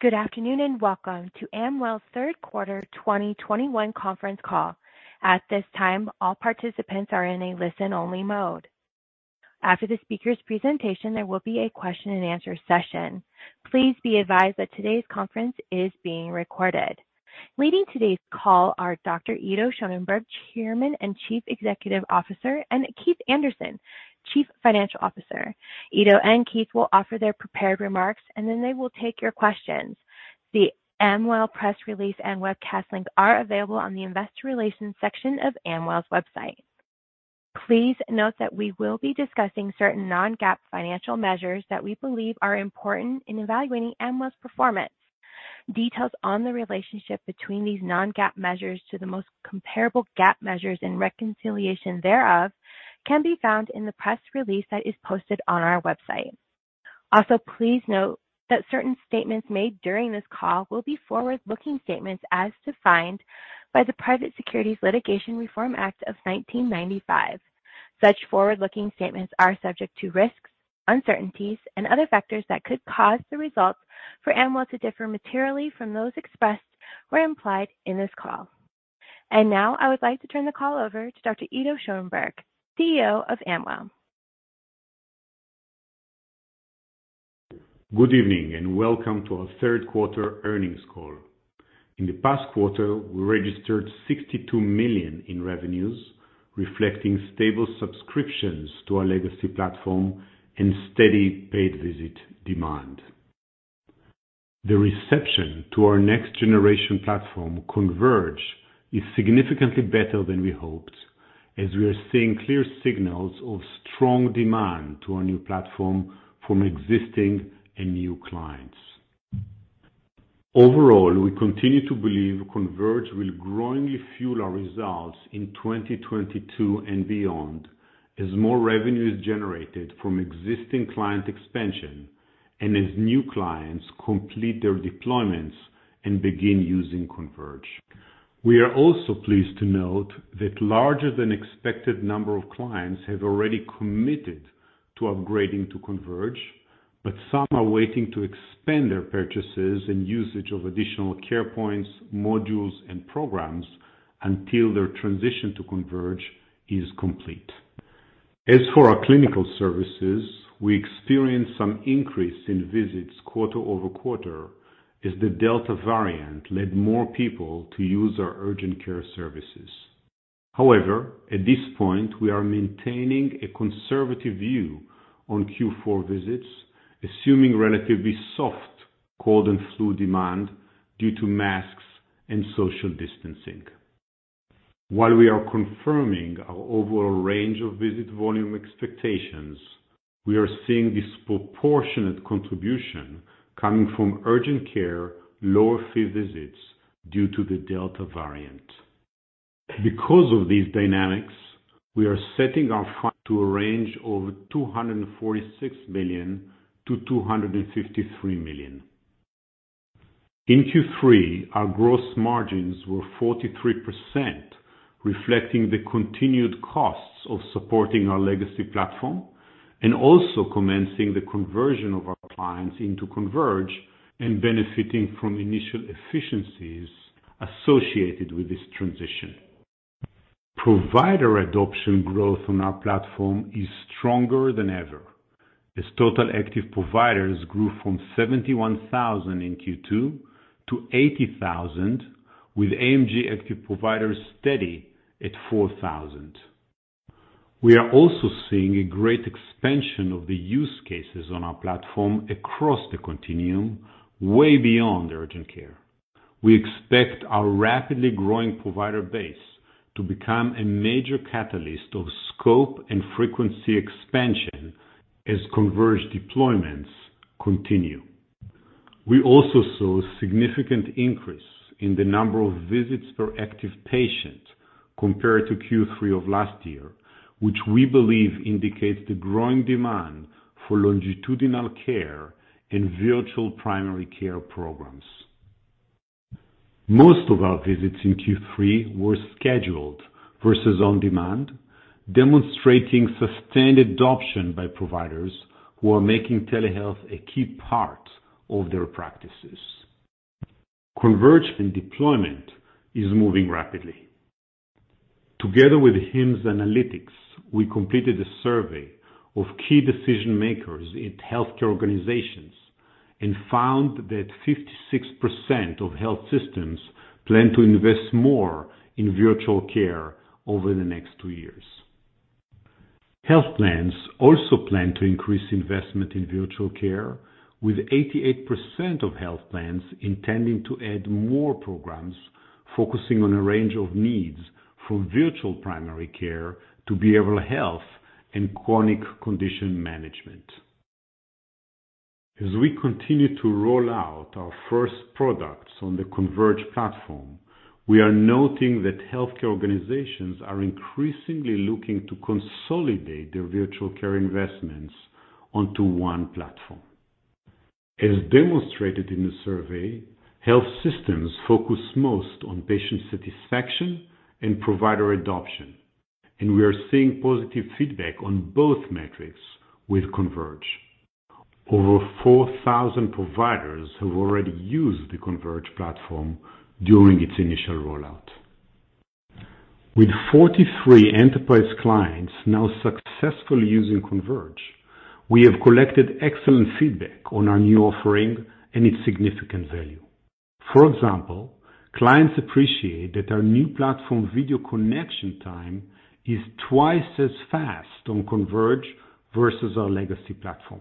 Good afternoon, and welcome to Amwell's third quarter 2021 conference call. At this time, all participants are in a listen-only mode. After the speaker's presentation, there will be a question-and-answer session. Please be advised that today's conference is being recorded. Leading today's call are Dr. Ido Schoenberg, Chairman and Chief Executive Officer, and Keith Anderson, Chief Financial Officer. Ido and Keith will offer their prepared remarks, and then they will take your questions. The Amwell press release and webcast links are available on the investor relations section of Amwell's website. Please note that we will be discussing certain non-GAAP financial measures that we believe are important in evaluating Amwell's performance. Details on the relationship between these non-GAAP measures to the most comparable GAAP measures and reconciliation thereof can be found in the press release that is posted on our website. Also, please note that certain statements made during this call will be forward-looking statements as defined by the Private Securities Litigation Reform Act of 1995. Such forward-looking statements are subject to risks, uncertainties, and other factors that could cause the results for Amwell to differ materially from those expressed or implied in this call. Now, I would like to turn the call over to Dr. Ido Schoenberg, CEO of Amwell. Good evening, and welcome to our third quarter earnings call. In the past quarter, we registered $62 million in revenues, reflecting stable subscriptions to our legacy platform and steady paid visit demand. The reception to our next generation platform, Converge, is significantly better than we hoped, as we are seeing clear signals of strong demand to our new platform from existing and new clients. Overall, we continue to believe Converge will growingly fuel our results in 2022 and beyond as more revenue is generated from existing client expansion and as new clients complete their deployments and begin using Converge. We are also pleased to note that larger than expected number of clients have already committed to upgrading to Converge, but some are waiting to expand their purchases and usage of additional care points, modules, and programs until their transition to Converge is complete. As for our clinical services, we experienced some increase in visits quarter-over-quarter as the Delta variant led more people to use our urgent care services. However, at this point, we are maintaining a conservative view on Q4 visits, assuming relatively soft cold and flu demand due to masks and social distancing. While we are confirming our overall range of visit volume expectations, we are seeing disproportionate contribution coming from urgent care, lower fee visits due to the Delta variant. Because of these dynamics, we are setting our guidance to a range of $246 million-$253 million. In Q3, our gross margins were 43%, reflecting the continued costs of supporting our legacy platform and also commencing the conversion of our clients into Converge and benefiting from initial efficiencies associated with this transition. Provider adoption growth on our platform is stronger than ever as total active providers grew from 71,000 in Q2 to 80,000, with AMG active providers steady at 4,000. We are also seeing a great expansion of the use cases on our platform across the continuum, way beyond urgent care. We expect our rapidly growing provider base to become a major catalyst of scope and frequency expansion as Converge deployments continue. We also saw a significant increase in the number of visits per active patient compared to Q3 of last year, which we believe indicates the growing demand for longitudinal care and virtual primary care programs. Most of our visits in Q3 were scheduled versus on demand, demonstrating sustained adoption by providers who are making telehealth a key part of their practices. Converge deployment is moving rapidly. Together with HIMSS Analytics, we completed a survey of key decision-makers in healthcare organizations and found that 56% of health systems plan to invest more in virtual care over the next two years. Health plans also plan to increase investment in virtual care, with 88% of health plans intending to add more programs focusing on a range of needs from virtual primary care to behavioral health and chronic condition management. As we continue to roll out our first products on the Converge platform, we are noting that healthcare organizations are increasingly looking to consolidate their virtual care investments onto one platform. As demonstrated in the survey, health systems focus most on patient satisfaction and provider adoption. We are seeing positive feedback on both metrics with Converge. Over 4,000 providers have already used the Converge platform during its initial rollout. With 43 enterprise clients now successfully using Converge, we have collected excellent feedback on our new offering and its significant value. For example, clients appreciate that our new platform video connection time is twice as fast on Converge versus our legacy platform.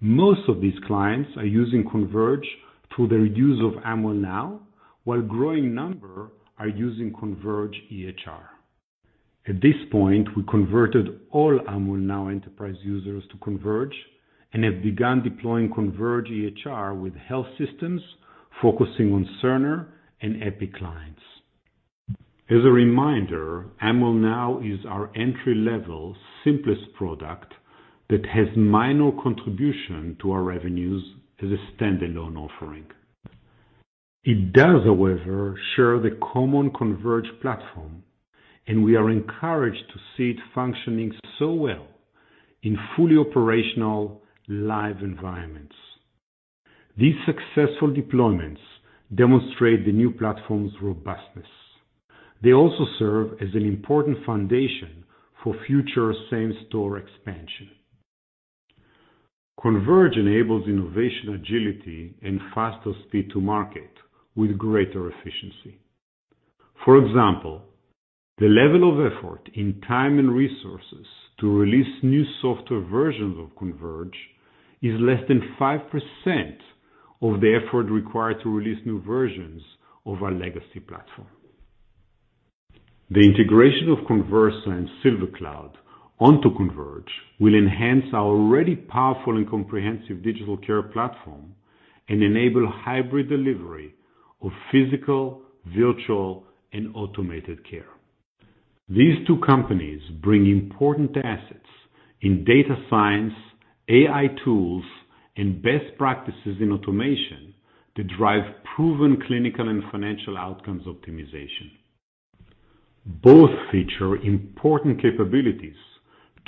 Most of these clients are using Converge through their use of Amwell Now, while growing number are using Converge EHR. At this point, we converted all Amwell Now enterprise users to Converge and have begun deploying Converge EHR with health systems focusing on Cerner and Epic clients. As a reminder, Amwell Now is our entry-level simplest product that has minor contribution to our revenues as a standalone offering. It does, however, share the common Converge platform, and we are encouraged to see it functioning so well in fully operational live environments. These successful deployments demonstrate the new platform's robustness. They also serve as an important foundation for future same-store expansion. Converge enables innovation, agility, and faster speed to market with greater efficiency. For example, the level of effort in time and resources to release new software versions of Converge is less than 5% of the effort required to release new versions of our legacy platform. The integration of Conversa and SilverCloud onto Converge will enhance our already powerful and comprehensive digital care platform and enable hybrid delivery of physical, virtual, and automated care. These two companies bring important assets in data science, AI tools, and best practices in automation to drive proven clinical and financial outcomes optimization. Both feature important capabilities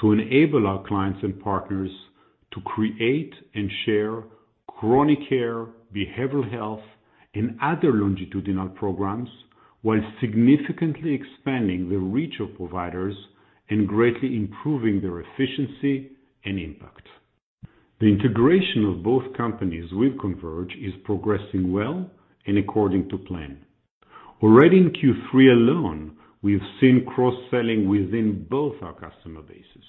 to enable our clients and partners to create and share chronic care, behavioral health, and other longitudinal programs, while significantly expanding the reach of providers and greatly improving their efficiency and impact. The integration of both companies with Converge is progressing well and according to plan. Already in Q3 alone, we've seen cross-selling within both our customer bases.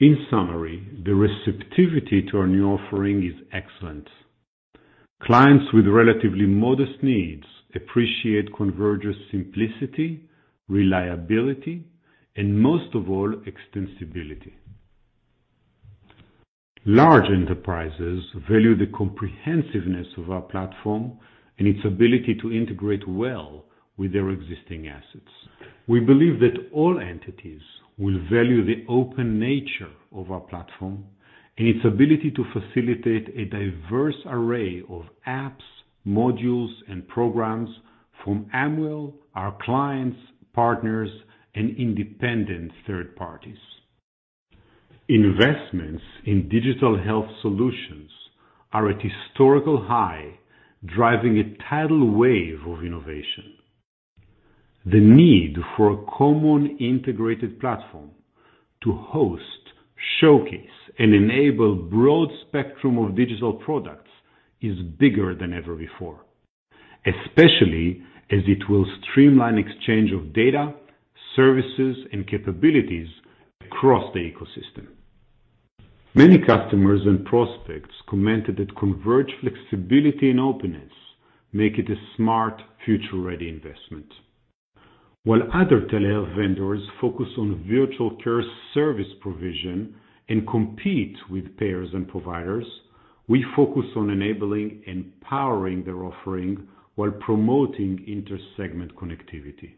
In summary, the receptivity to our new offering is excellent. Clients with relatively modest needs appreciate Converge's simplicity, reliability, and most of all, extensibility. Large enterprises value the comprehensiveness of our platform and its ability to integrate well with their existing assets. We believe that all entities will value the open nature of our platform and its ability to facilitate a diverse array of apps, modules, and programs from Amwell, our clients, partners, and independent third parties. Investments in digital health solutions are at historical high, driving a tidal wave of innovation. The need for a common integrated platform to host, showcase, and enable broad spectrum of digital products is bigger than ever before, especially as it will streamline exchange of data, services, and capabilities across the ecosystem. Many customers and prospects commented that Converge flexibility and openness make it a smart future-ready investment. While other telehealth vendors focus on virtual care service provision and compete with payers and providers, we focus on enabling and powering their offering while promoting inter-segment connectivity.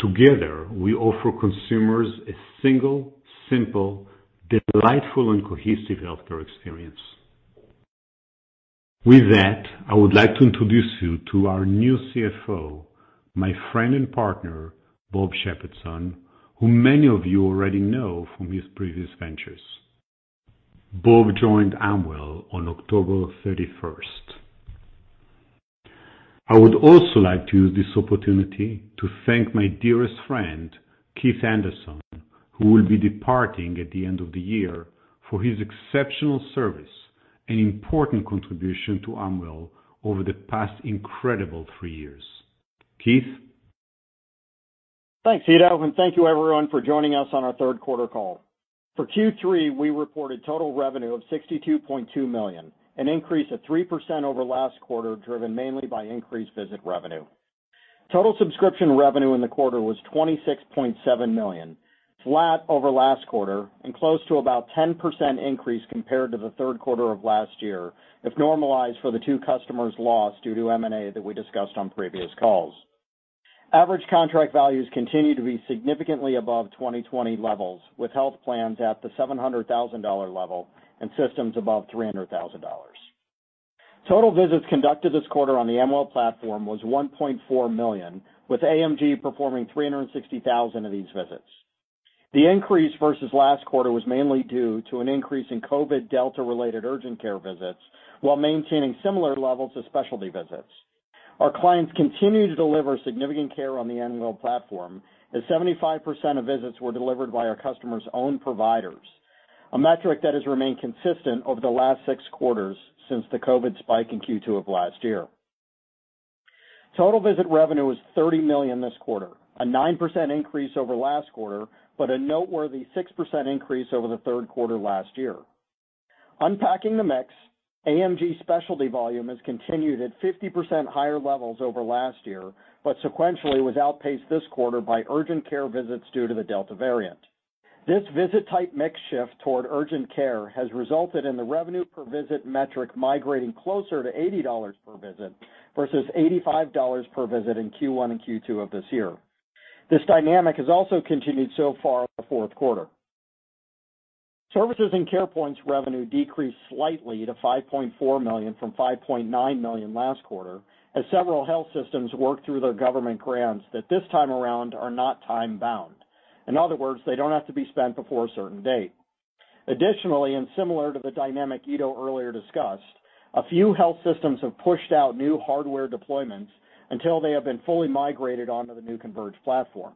Together, we offer consumers a single, simple, delightful, and cohesive healthcare experience. With that, I would like to introduce you to our new CFO, my friend and partner, Bob Shepardson, who many of you already know from his previous ventures. Bob joined Amwell on October 31st. I would also like to use this opportunity to thank my dearest friend, Keith Anderson, who will be departing at the end of the year, for his exceptional service and important contribution to Amwell over the past incredible three years. Keith? Thanks, Ido, and thank you everyone for joining us on our third quarter call. For Q3, we reported total revenue of $62.2 million, an increase of 3% over last quarter, driven mainly by increased visit revenue. Total subscription revenue in the quarter was $26.7 million, flat over last quarter, and close to about 10% increase compared to the third quarter of last year, if normalized for the two customers lost due to M&A that we discussed on previous calls. Average contract values continue to be significantly above 2020 levels, with health plans at the $700,000 level and systems above $300,000. Total visits conducted this quarter on the Amwell platform was 1.4 million, with AMG performing 360,000 of these visits. The increase versus last quarter was mainly due to an increase in COVID Delta-related urgent care visits while maintaining similar levels of specialty visits. Our clients continue to deliver significant care on the Amwell platform, as 75% of visits were delivered by our customers' own providers, a metric that has remained consistent over the last 6 quarters since the COVID spike in Q2 of last year. Total visit revenue was $30 million this quarter, a 9% increase over last quarter, but a noteworthy 6% increase over the third quarter last year. Unpacking the mix, AMG specialty volume has continued at 50% higher levels over last year, but sequentially was outpaced this quarter by urgent care visits due to the Delta variant. This visit type mix shift toward urgent care has resulted in the revenue per visit metric migrating closer to $80 per visit versus $85 per visit in Q1 and Q2 of this year. This dynamic has also continued so far in the fourth quarter. Services and Carepoints revenue decreased slightly to $5.4 million from $5.9 million last quarter as several health systems work through their government grants that this time around are not time-bound. In other words, they don't have to be spent before a certain date. Additionally, similar to the dynamic Ido earlier discussed, a few health systems have pushed out new hardware deployments until they have been fully migrated onto the new Converge platform.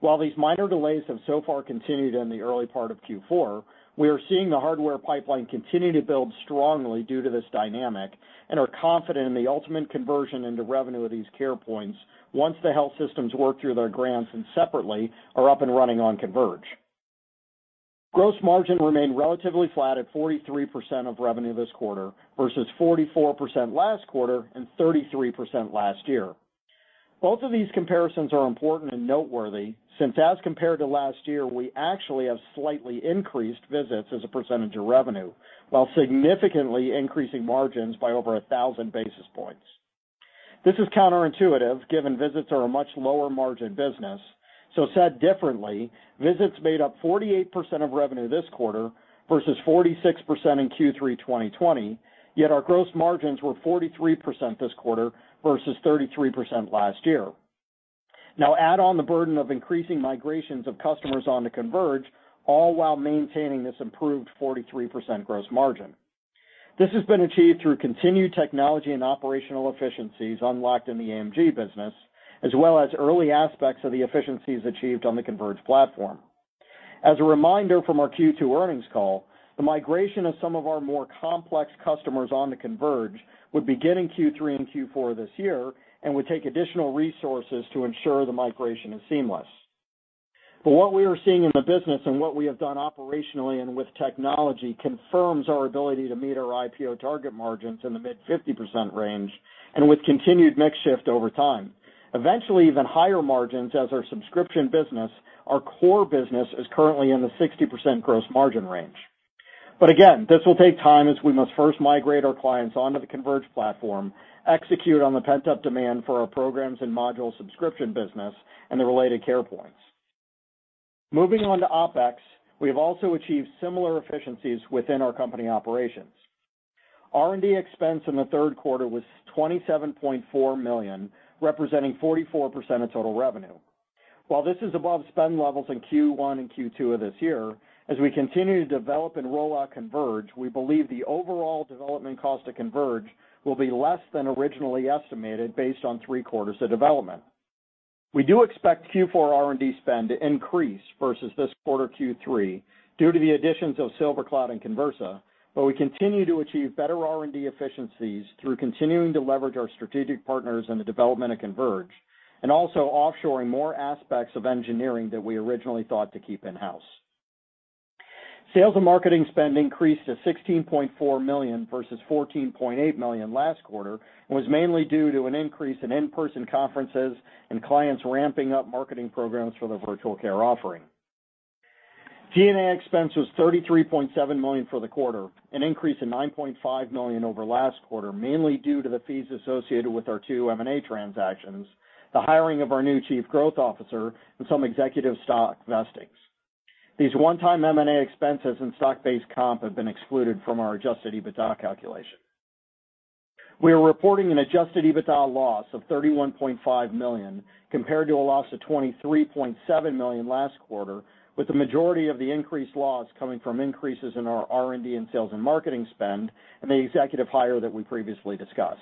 While these minor delays have so far continued in the early part of Q4, we are seeing the hardware pipeline continue to build strongly due to this dynamic and are confident in the ultimate conversion into revenue of these Carepoints once the health systems work through their grants and separately are up and running on Converge. Gross margin remained relatively flat at 43% of revenue this quarter versus 44% last quarter and 33% last year. Both of these comparisons are important and noteworthy since as compared to last year, we actually have slightly increased visits as a percentage of revenue while significantly increasing margins by over 1,000 basis points. This is counterintuitive, given visits are a much lower margin business. Said differently, visits made up 48% of revenue this quarter versus 46% in Q3 2020, yet our gross margins were 43% this quarter versus 33% last year. Now add on the burden of increasing migrations of customers onto Converge, all while maintaining this improved 43% gross margin. This has been achieved through continued technology and operational efficiencies unlocked in the AMG business, as well as early aspects of the efficiencies achieved on the Converge platform. As a reminder from our Q2 earnings call, the migration of some of our more complex customers onto Converge would begin in Q3 and Q4 this year and would take additional resources to ensure the migration is seamless. What we are seeing in the business and what we have done operationally and with technology confirms our ability to meet our IPO target margins in the mid-50% range and with continued mix shift over time. Eventually, even higher margins as our subscription business, our core business, is currently in the 60% gross margin range. Again, this will take time as we must first migrate our clients onto the Converge platform, execute on the pent-up demand for our programs and module subscription business, and the related Carepoints. Moving on to OpEx, we have also achieved similar efficiencies within our company operations. R&D expense in the third quarter was $27.4 million, representing 44% of total revenue. While this is above spend levels in Q1 and Q2 of this year, as we continue to develop and roll out Converge, we believe the overall development cost of Converge will be less than originally estimated based on three quarters of development. We do expect Q4 R&D spend to increase versus this quarter, Q3, due to the additions of SilverCloud and Conversa, but we continue to achieve better R&D efficiencies through continuing to leverage our strategic partners in the development of Converge and also offshoring more aspects of engineering that we originally thought to keep in-house. Sales and marketing spend increased to $16.4 million versus $14.8 million last quarter and was mainly due to an increase in in-person conferences and clients ramping up marketing programs for their virtual care offering. G&A expense was $33.7 million for the quarter, an increase of $9.5 million over last quarter, mainly due to the fees associated with our two M&A transactions, the hiring of our new chief growth officer, and some executive stock vestings. These one-time M&A expenses and stock-based comp have been excluded from our Adjusted EBITDA calculation. We are reporting an Adjusted EBITDA loss of $31.5 million compared to a loss of $23.7 million last quarter, with the majority of the increased loss coming from increases in our R&D and sales and marketing spend and the executive hire that we previously discussed.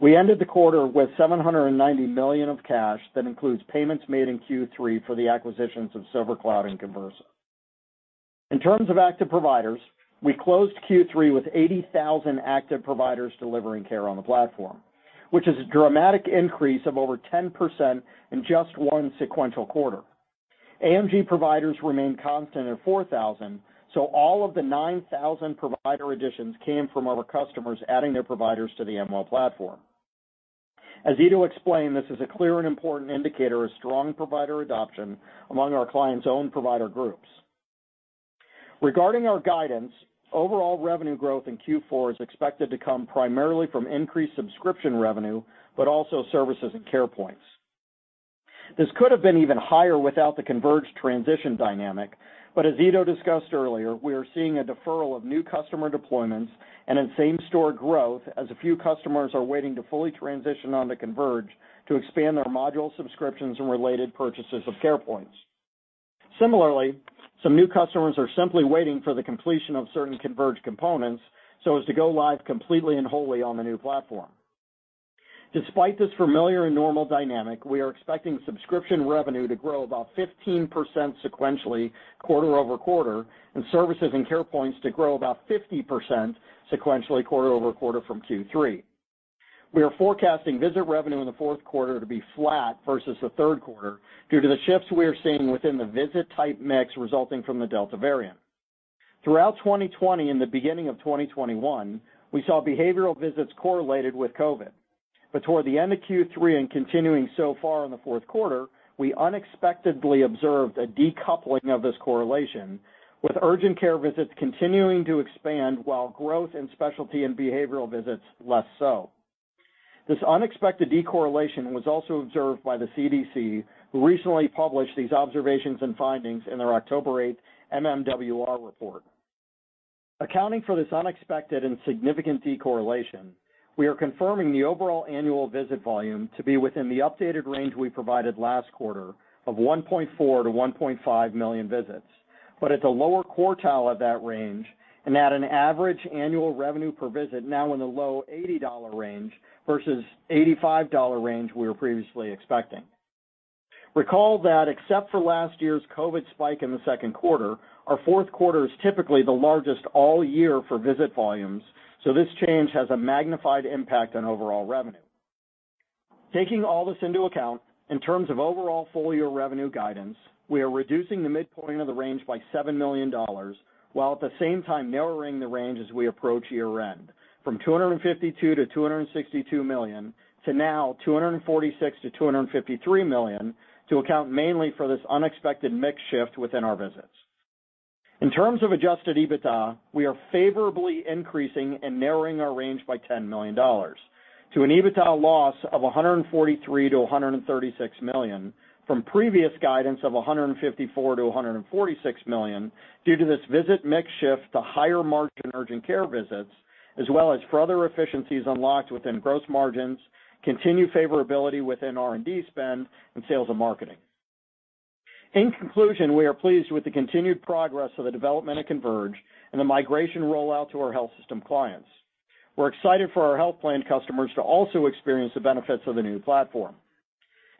We ended the quarter with $790 million of cash that includes payments made in Q3 for the acquisitions of SilverCloud and Conversa. In terms of active providers, we closed Q3 with 80,000 active providers delivering care on the platform, which is a dramatic increase of over 10% in just one sequential quarter. AMG providers remained constant at 4,000, so all of the 9,000 provider additions came from our customers adding their providers to the Amwell platform. As Edo explained, this is a clear and important indicator of strong provider adoption among our clients' own provider groups. Regarding our guidance, overall revenue growth in Q4 is expected to come primarily from increased subscription revenue, but also services and Carepoints. This could have been even higher without the Converge transition dynamic, but as Ido discussed earlier, we are seeing a deferral of new customer deployments and in same-store growth as a few customers are waiting to fully transition onto Converge to expand their module subscriptions and related purchases of Carepoints. Similarly, some new customers are simply waiting for the completion of certain Converge components so as to go live completely and wholly on the new platform. Despite this familiar and normal dynamic, we are expecting subscription revenue to grow about 15% sequentially quarter-over-quarter, and services and CarePoints to grow about 50% sequentially quarter-over-quarter from Q3. We are forecasting visit revenue in the fourth quarter to be flat versus the third quarter due to the shifts we are seeing within the visit type mix resulting from the Delta variant. Throughout 2020 and the beginning of 2021, we saw behavioral visits correlated with COVID. Toward the end of Q3 and continuing so far in the fourth quarter, we unexpectedly observed a decoupling of this correlation, with urgent care visits continuing to expand while growth in specialty and behavioral visits less so. This unexpected decorrelation was also observed by the CDC, who recently published these observations and findings in their October 8th MMWR report. Accounting for this unexpected and significant decorrelation, we are confirming the overall annual visit volume to be within the updated range we provided last quarter of 1.4-1.5 million visits, but at the lower quartile of that range and at an average annual revenue per visit now in the low $80 range versus $85 range we were previously expecting. Recall that except for last year's COVID spike in the second quarter, our fourth quarter is typically the largest all year for visit volumes, so this change has a magnified impact on overall revenue. Taking all this into account, in terms of overall full-year revenue guidance, we are reducing the midpoint of the range by $7 million while at the same time narrowing the range as we approach year-end from $252 million-$262 million to now $246 million-$253 million to account mainly for this unexpected mix shift within our visits. In terms of Adjusted EBITDA, we are favorably increasing and narrowing our range by $10 million to an EBITDA loss of $143 million-$136 million from previous guidance of $154 million-$146 million due to this visit mix shift to higher-margin urgent care visits as well as further efficiencies unlocked within gross margins, continued favorability within R&D spend and sales and marketing. In conclusion, we are pleased with the continued progress of the development of Converge and the migration rollout to our health system clients. We're excited for our health plan customers to also experience the benefits of the new platform.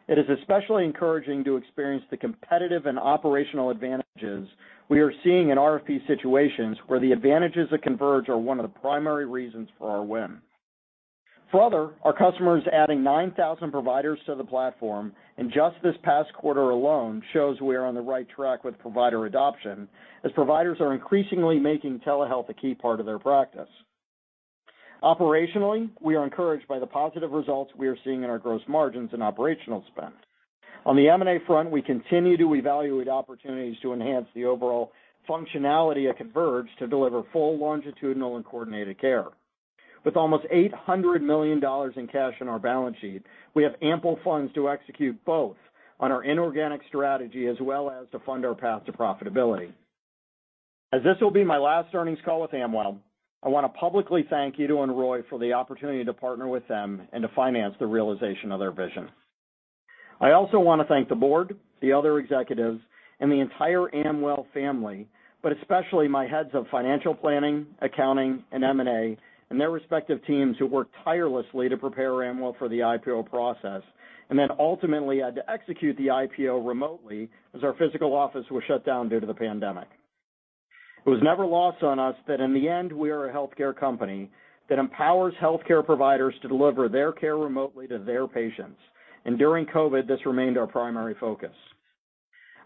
It is especially encouraging to experience the competitive and operational advantages we are seeing in RFP situations where the advantages of Converge are one of the primary reasons for our win. Further, our customers adding 9,000 providers to the platform in just this past quarter alone shows we are on the right track with provider adoption as providers are increasingly making telehealth a key part of their practice. Operationally, we are encouraged by the positive results we are seeing in our gross margins and operational spend. On the M&A front, we continue to evaluate opportunities to enhance the overall functionality at Converge to deliver full longitudinal and coordinated care. With almost $800 million in cash on our balance sheet, we have ample funds to execute both on our inorganic strategy as well as to fund our path to profitability. As this will be my last earnings call with Amwell, I wanna publicly thank Ido and Roy for the opportunity to partner with them and to finance the realization of their vision. I also wanna thank the board, the other executives, and the entire Amwell family, but especially my heads of financial planning, accounting, and M&A, and their respective teams who worked tirelessly to prepare Amwell for the IPO process and then ultimately had to execute the IPO remotely as our physical office was shut down due to the pandemic. It was never lost on us that in the end, we are a healthcare company that empowers healthcare providers to deliver their care remotely to their patients, and during COVID, this remained our primary focus.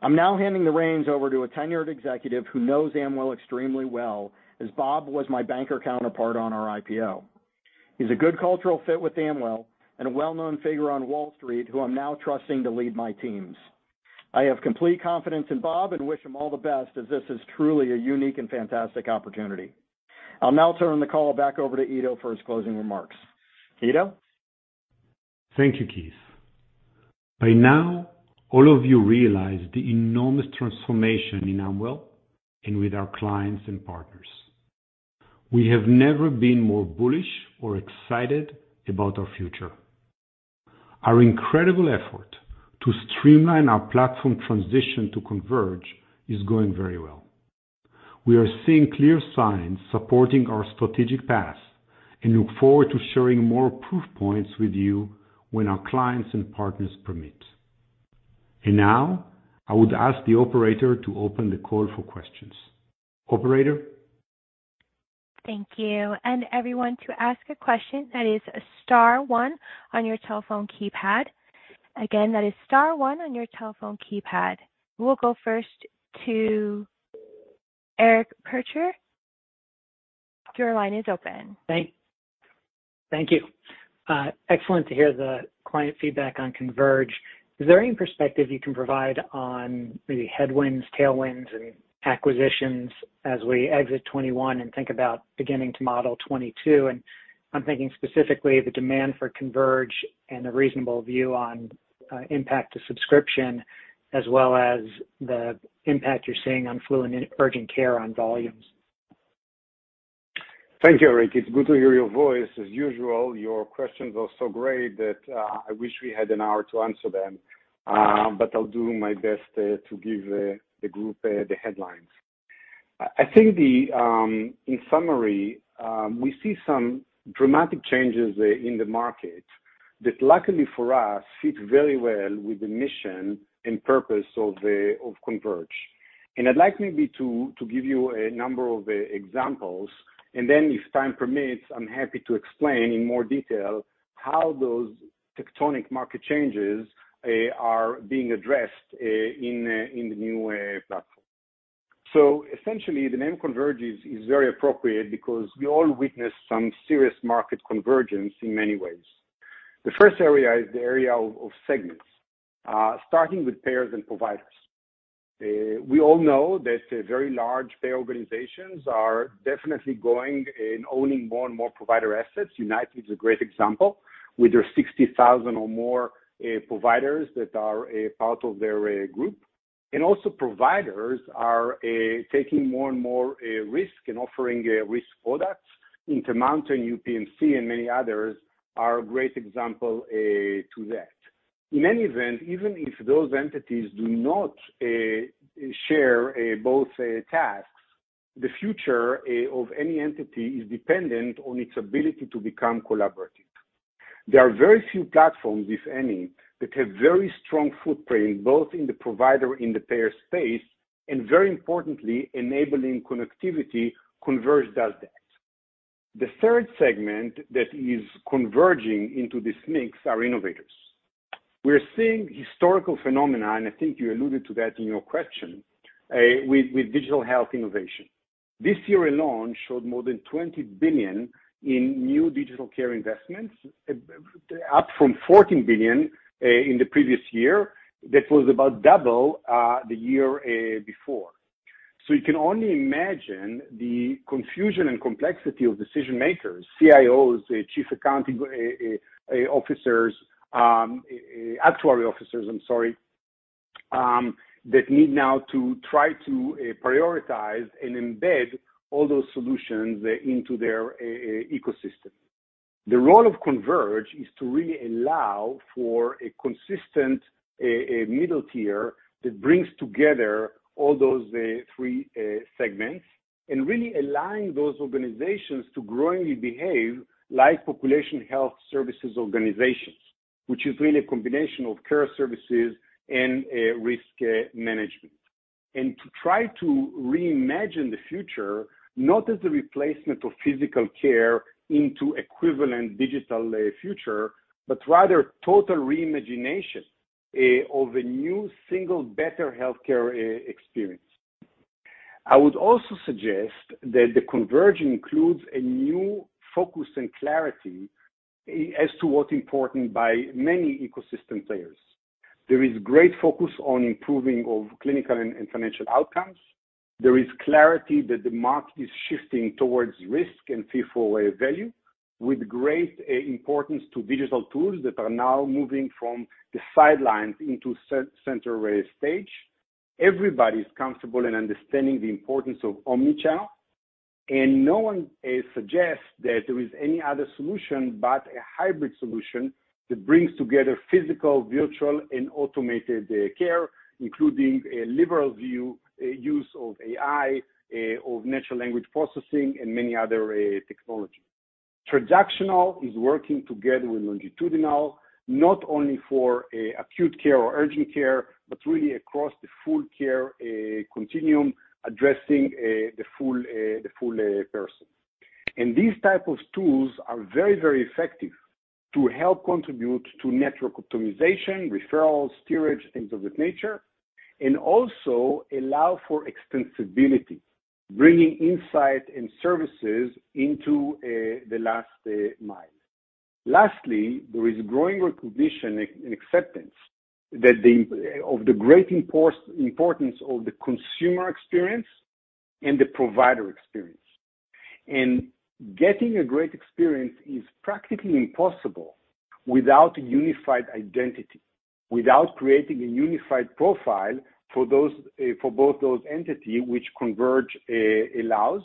I'm now handing the reins over to a tenured executive who knows Amwell extremely well, as Bob was my banker counterpart on our IPO. He's a good cultural fit with Amwell and a well-known figure on Wall Street who I'm now trusting to lead my teams. I have complete confidence in Bob and wish him all the best as this is truly a unique and fantastic opportunity. I'll now turn the call back over to Ido for his closing remarks. Ido? Thank you, Keith. By now, all of you realize the enormous transformation in Amwell and with our clients and partners. We have never been more bullish or excited about our future. Our incredible effort to streamline our platform transition to Converge is going very well. We are seeing clear signs supporting our strategic path and look forward to sharing more proof points with you when our clients and partners permit. Now, I would ask the operator to open the call for questions. Operator? Thank you. Everyone, to ask a question, that is star one on your telephone keypad. Again, that is star one on your telephone keypad. We'll go first to Eric Percher of- Your line is open. Thank you. Excellent to hear the client feedback on Converge. Is there any perspective you can provide on the headwinds, tailwinds, and acquisitions as we exit 2021 and think about beginning to model 2022? I'm thinking specifically the demand for Converge and a reasonable view on impact to subscription as well as the impact you're seeing on flu and urgent care on volumes. Thank you, Eric. It's good to hear your voice. As usual, your questions are so great that I wish we had an hour to answer them. But I'll do my best to give the group the headlines. I think in summary we see some dramatic changes in the market that luckily for us fit very well with the mission and purpose of Converge. I'd like maybe to give you a number of examples, and then if time permits, I'm happy to explain in more detail how those tectonic market changes are being addressed in the new platform. Essentially the name Converge is very appropriate because we all witnessed some serious market convergence in many ways. The first area is the area of segments, starting with payers and providers. We all know that very large payer organizations are definitely going and owning more and more provider assets. United is a great example with their 60,000 or more providers that are part of their group. Providers are taking more and more risk and offering risk products. Intermountain, UPMC, and many others are a great example to that. In any event, even if those entities do not share both tasks, the future of any entity is dependent on its ability to become collaborative. There are very few platforms, if any, that have very strong footprint both in the provider and the payer space, and very importantly, enabling connectivity. Converge does that. The third segment that is converging into this mix are innovators. We're seeing historical phenomena, and I think you alluded to that in your question, with digital health innovation. This year alone showed more than $20 billion in new digital care investments up from $14 billion in the previous year. That was about double the year before. You can only imagine the confusion and complexity of decision makers, CIOs, chief accounting officers, actuary officers, I'm sorry, that need now to try to prioritize and embed all those solutions into their ecosystem. The role of Converge is to really allow for a consistent middle tier that brings together all those three segments and really align those organizations to growingly behave like population health services organizations, which is really a combination of care services and risk management. To try to reimagine the future, not as a replacement of physical care into equivalent digital future, but rather total reimagination of a new single better healthcare experience. I would also suggest that the Converge includes a new focus and clarity as to what's important by many ecosystem players. There is great focus on improving clinical and financial outcomes. There is clarity that the market is shifting towards risk and fee-for-value with great importance to digital tools that are now moving from the sidelines into center stage. Everybody's comfortable in understanding the importance of omni-channel, and no one suggests that there is any other solution but a hybrid solution that brings together physical, virtual, and automated care, including a liberal view use of AI of natural language processing, and many other technology. Transactional is working together with longitudinal, not only for acute care or urgent care, but really across the full care continuum, addressing the full person. These type of tools are very, very effective to help contribute to network optimization, referrals, steerage, things of that nature, and also allow for extensibility, bringing insight and services into the last mile. Lastly, there is growing recognition and acceptance that of the great importance of the consumer experience and the provider experience. Getting a great experience is practically impossible without unified identity, without creating a unified profile for those, for both those entities which Converge allows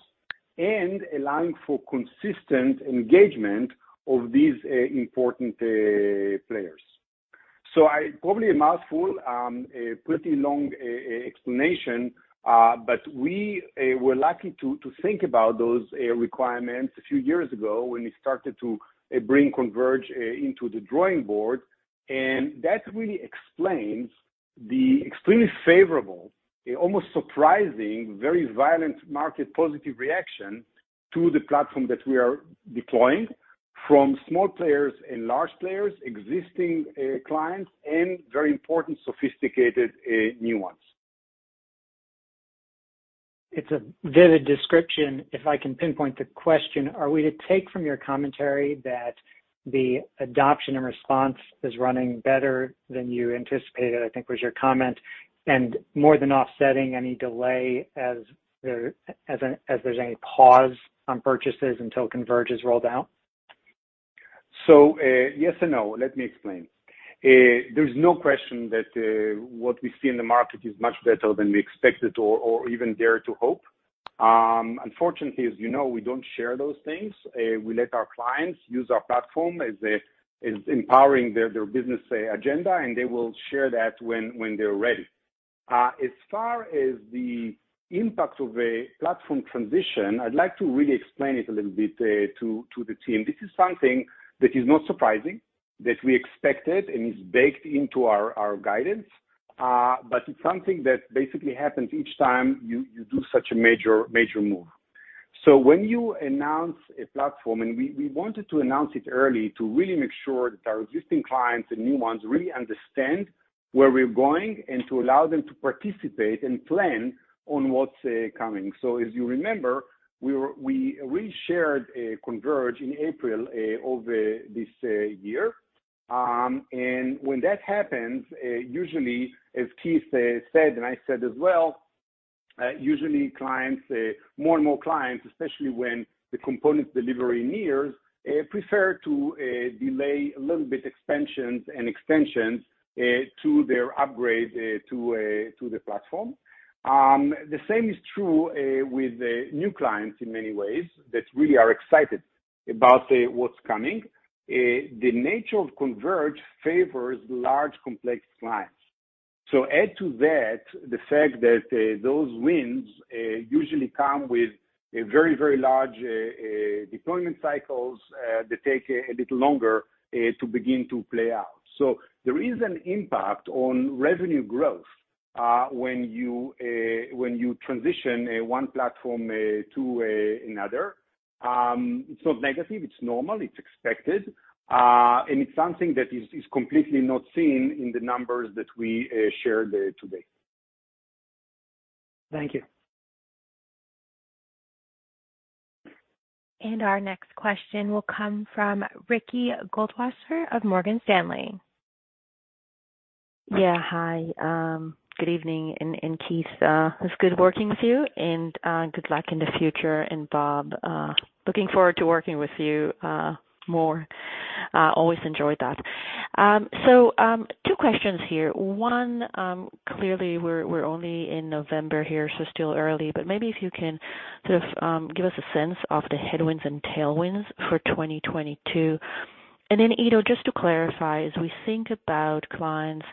and allowing for consistent engagement of these, important, players. Probably a mouthful, a pretty long explanation, but we were lucky to think about those requirements a few years ago when we started to bring Converge onto the drawing board. That really explains the extremely favorable, almost surprising, very vibrant market positive reaction to the platform that we are deploying from small players and large players, existing clients, and very important sophisticated new ones. It's a vivid description. If I can pinpoint the question, are we to take from your commentary that the adoption and response is running better than you anticipated, I think was your comment, and more than offsetting any delay as there's any pause on purchases until Converge is rolled out? Yes and no. Let me explain. There's no question that what we see in the market is much better than we expected or even dared to hope. Unfortunately, as you know, we don't share those things. We let our clients use our platform as empowering their business agenda, and they will share that when they're ready. As far as the impact of a platform transition, I'd like to really explain it a little bit to the team. This is something that is not surprising, that we expected and is baked into our guidance, but it's something that basically happens each time you do such a major move. When you announce a platform, and we wanted to announce it early to really make sure that our existing clients and new ones really understand where we're going and to allow them to participate and plan on what's coming. As you remember, we shared Converge in April of this year. When that happens, usually, as Keith said, and I said as well, usually clients, more and more clients, especially when the component delivery nears, prefer to delay a little bit expansions and extensions to their upgrade to the platform. The same is true with new clients in many ways that really are excited about what's coming. The nature of Converge favors large complex clients. Add to that the fact that those wins usually come with a very, very large deployment cycles that take a little longer to begin to play out. There is an impact on revenue growth when you transition one platform to another. It's not negative, it's normal, it's expected, and it's something that is completely not seen in the numbers that we shared today. Thank you. Our next question will come from Ricky Goldwasser of Morgan Stanley. Yeah, hi. Good evening, and Keith, it was good working with you and good luck in the future. Bob, looking forward to working with you, more. Always enjoyed that. Two questions here. One, clearly we're only in November here, so still early, but maybe if you can sort of give us a sense of the headwinds and tailwinds for 2022. Ido, just to clarify, as we think about clients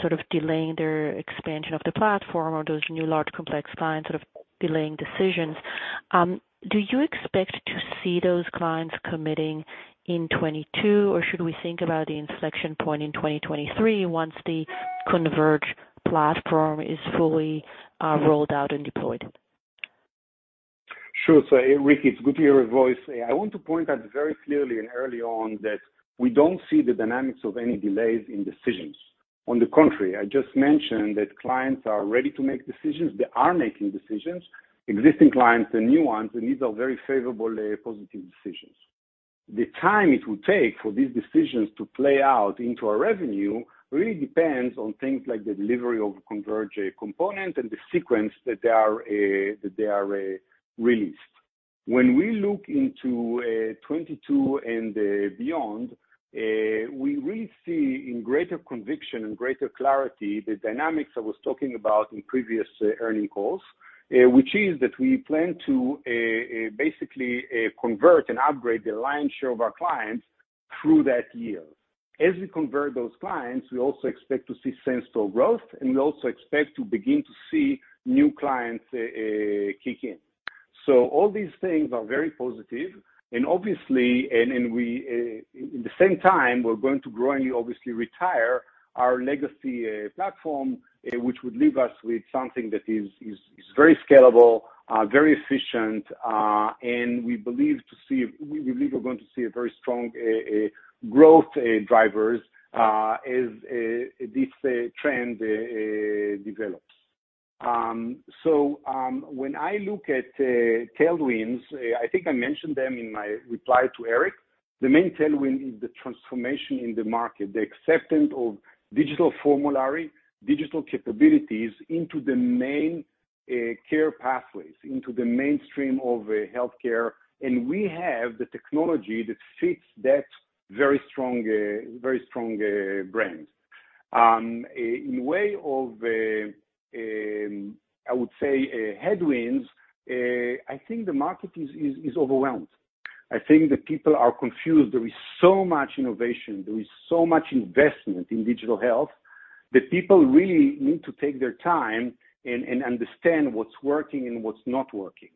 sort of delaying their expansion of the platform or those new large complex clients sort of delaying decisions, do you expect to see those clients committing in 2022, or should we think about the inflection point in 2023 once the Converge platform is fully rolled out and deployed? Sure. Ricky, it's good to hear your voice. I want to point out very clearly and early on that we don't see the dynamics of any delays in decisions. On the contrary, I just mentioned that clients are ready to make decisions. They are making decisions, existing clients and new ones, and these are very favorably positive decisions. The time it will take for these decisions to play out into our revenue really depends on things like the delivery of Converge component and the sequence that they are released. When we look into 2022 and beyond, we really see greater conviction and greater clarity the dynamics I was talking about in previous earnings calls, which is that we plan to basically convert and upgrade the lion's share of our clients through that year. As we convert those clients, we also expect to see sensible growth, and we also expect to begin to see new clients kick in. All these things are very positive and obviously we at the same time, we're going to gradually obviously retire our legacy platform, which would leave us with something that is very scalable, very efficient, and we believe we're going to see a very strong growth drivers as this trend develops. When I look at tailwinds, I think I mentioned them in my reply to Eric. The main tailwind is the transformation in the market, the acceptance of digital formulary, digital capabilities into the main care pathways, into the mainstream of healthcare, and we have the technology that fits that very strong brand. In way of headwinds, I think the market is overwhelmed. I think the people are confused. There is so much innovation, there is so much investment in digital health that people really need to take their time and understand what's working and what's not working.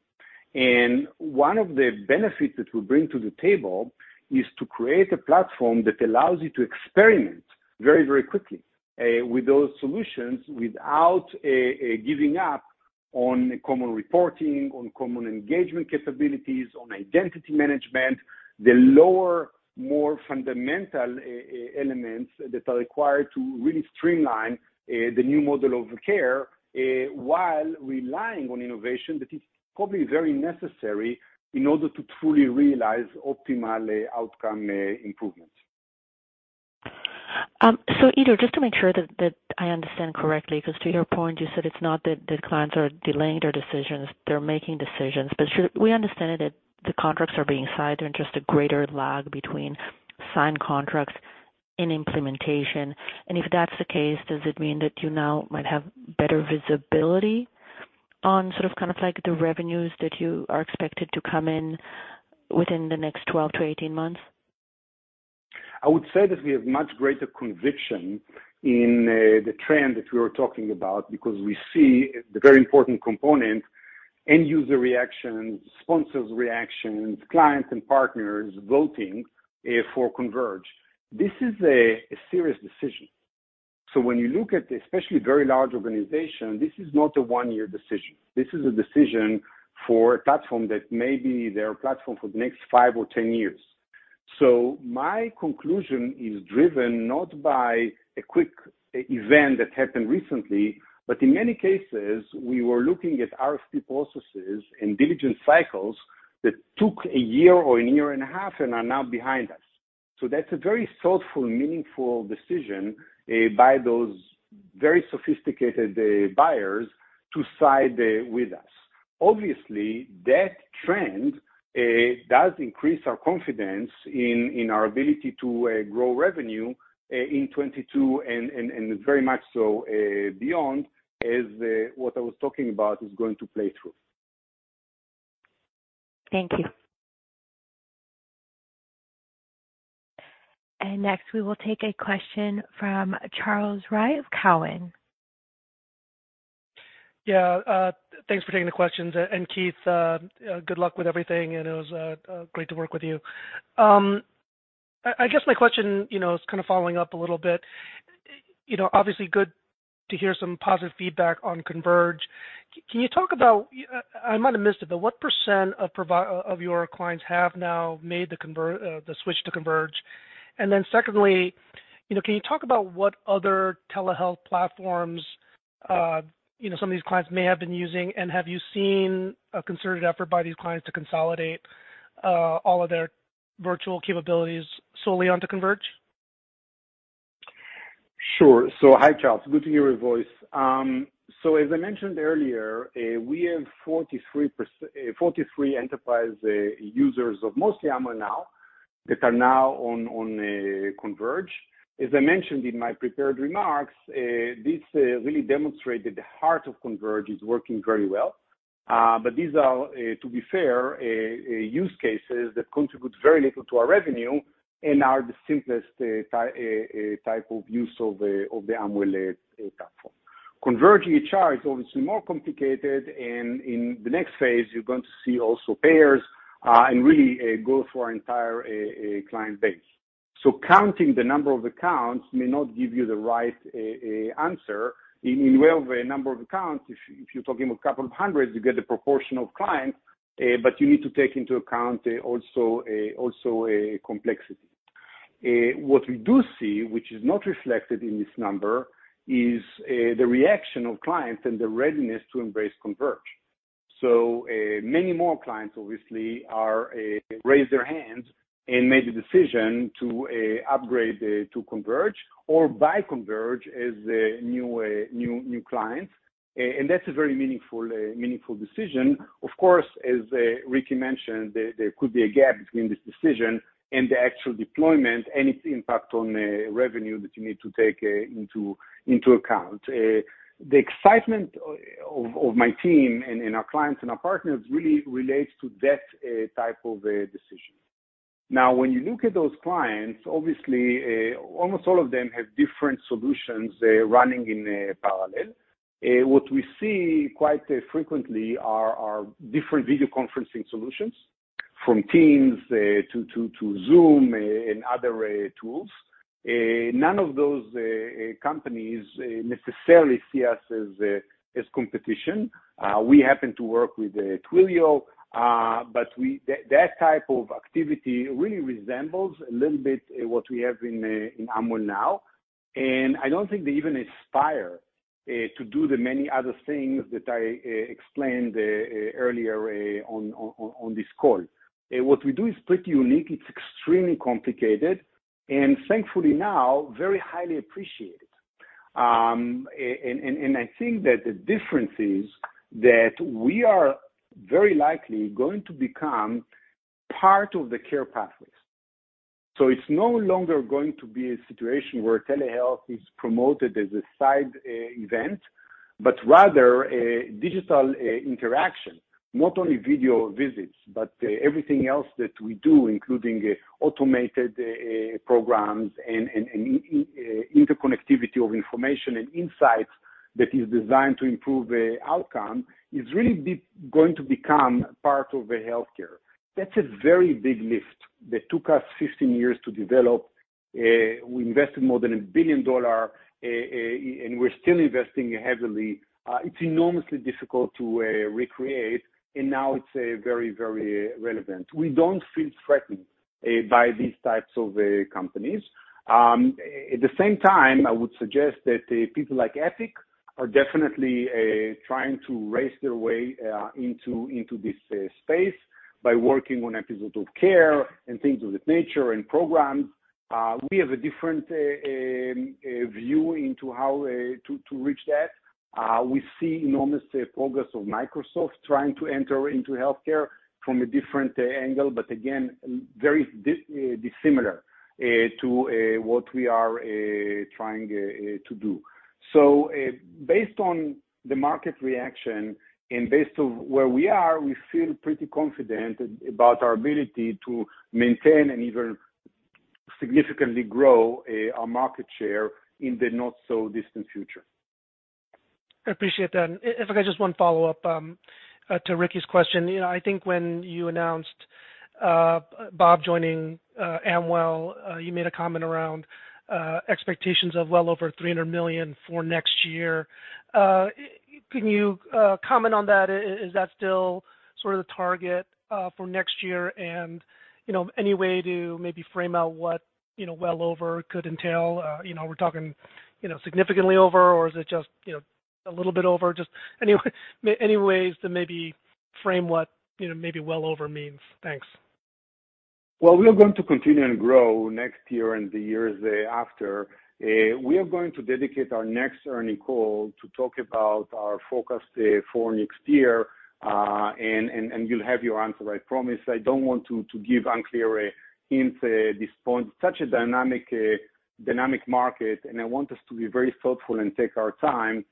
One of the benefits that we bring to the table is to create a platform that allows you to experiment very, very quickly with those solutions without giving up on common reporting, on common engagement capabilities, on identity management, the lower, more fundamental elements that are required to really streamline the new model of care while relying on innovation that is probably very necessary in order to truly realize optimal outcome improvements. Ido, just to make sure that I understand correctly, because to your point, you said it's not that the clients are delaying their decisions, they're making decisions. We understand that the contracts are being signed, they're just a greater lag between signed contracts and implementation. If that's the case, does it mean that you now might have better visibility on sort of kind of like the revenues that you are expected to come in within the next 12 months-18 months? I would say that we have much greater conviction in the trend that we were talking about because we see the very important component, end-user reactions, sponsors' reactions, clients and partners voting for Converge. This is a serious decision. When you look at especially very large organizations, this is not a one-year decision. This is a decision for a platform that may be their platform for the next five or 10 years. My conclusion is driven not by a quick event that happened recently, but in many cases, we were looking at RFP processes and diligence cycles that took a year or a year and a half and are now behind us. That's a very thoughtful, meaningful decision by those very sophisticated buyers to side with us. Obviously, that trend does increase our confidence in our ability to grow revenue in 2022 and very much so beyond as what I was talking about is going to play through. Thank you. Next, we will take a question from Charles Rhyee of Cowen. Yeah, thanks for taking the questions. Keith, good luck with everything, and it was great to work with you. I guess my question, you know, is kinda following up a little bit. You know, obviously good to hear some positive feedback on Converge. Can you talk about, I might have missed it, but what percent of your clients have now made the switch to Converge? Secondly, you know, can you talk about what other telehealth platforms, you know, some of these clients may have been using? Have you seen a concerted effort by these clients to consolidate all of their virtual capabilities solely onto Converge? Sure. Hi, Charles, good to hear your voice. As I mentioned earlier, we have 43 enterprise users of mostly Amwell Now that are now on Converge. As I mentioned in my prepared remarks, this really demonstrated the heart of Converge is working very well. But these are, to be fair, use cases that contribute very little to our revenue and are the simplest type of use of the Amwell platform. Converge EHR is obviously more complicated, and in the next phase, you're going to see also payers and really go for our entire client base. Counting the number of accounts may not give you the right answer. The number of accounts, if you're talking about a couple of hundred, you get a proportional client, but you need to take into account also a complexity. What we do see, which is not reflected in this number, is the reaction of clients and the readiness to embrace Converge. Many more clients, obviously, raise their hands and made a decision to upgrade to Converge or buy Converge as a new client. That's a very meaningful decision. Of course, as Ricky mentioned, there could be a gap between this decision and the actual deployment and its impact on revenue that you need to take into account. The excitement of my team and our clients and our partners really relates to that type of decision. Now, when you look at those clients, obviously, almost all of them have different solutions running in parallel. What we see quite frequently are different video conferencing solutions, from Teams to Zoom and other tools. None of those companies necessarily see us as competition. We happen to work with Twilio, but that type of activity really resembles a little bit what we have in Amwell Now. I don't think they even aspire to do the many other things that I explained earlier on this call. What we do is pretty unique, it's extremely complicated, and thankfully now, very highly appreciated. I think that the difference is that we are very likely going to become part of the care pathways. It's no longer going to be a situation where telehealth is promoted as a side event, but rather a digital interaction, not only video visits, but everything else that we do, including automated programs and interconnectivity of information and insights that is designed to improve outcome, is really going to become part of the healthcare. That's a very big lift that took us 15 years to develop. We invested more than $1 billion, and we're still investing heavily. It's enormously difficult to recreate, and now it's a very, very relevant. We don't feel threatened by these types of companies. At the same time, I would suggest that people like Epic are definitely trying to raise their way into this space by working on episodic care and things of that nature and programs. We have a different view into how to reach that. We see enormous progress of Microsoft trying to enter into healthcare from a different angle, but again, very dissimilar to what we are trying to do. Based on the market reaction and based on where we are, we feel pretty confident about our ability to maintain and even significantly grow our market share in the not so distant future. I appreciate that. If I could just one follow-up to Ricky's question. You know, I think when you announced Bob joining Amwell, you made a comment around expectations of well over $300 million for next year. Can you comment on that? Is that still sort of the target for next year? You know, any way to maybe frame out what, you know, well over could entail? You know, we're talking, you know, significantly over or is it just, you know, a little bit over? Just any ways to maybe frame what, you know, maybe well over means. Thanks. Well, we are going to continue and grow next year and the years after. We are going to dedicate our next earnings call to talk about our focus for next year, and you'll have your answer, I promise. I don't want to give unclear hints at this point. Such a dynamic market, and I want us to be very thoughtful and take our time,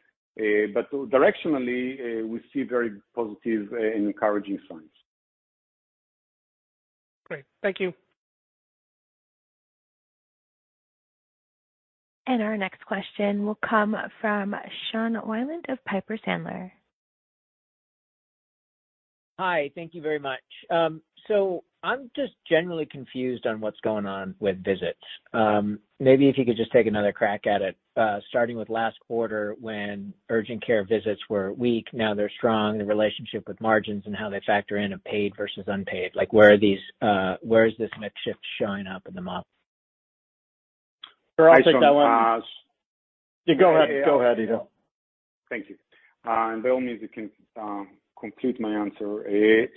but directionally, we see very positive and encouraging signs. Great. Thank you. Our next question will come from Sean Wieland of Piper Sandler. Hi, thank you very much. I'm just generally confused on what's going on with visits. Maybe if you could just take another crack at it, starting with last quarter when urgent care visits were weak, now they're strong, the relationship with margins and how they factor in a paid versus unpaid. Like, where are these, where is this mix shift showing up in the model? I'll take that one. Go ahead, Ido. Thank you. Bill needs to complete my answer.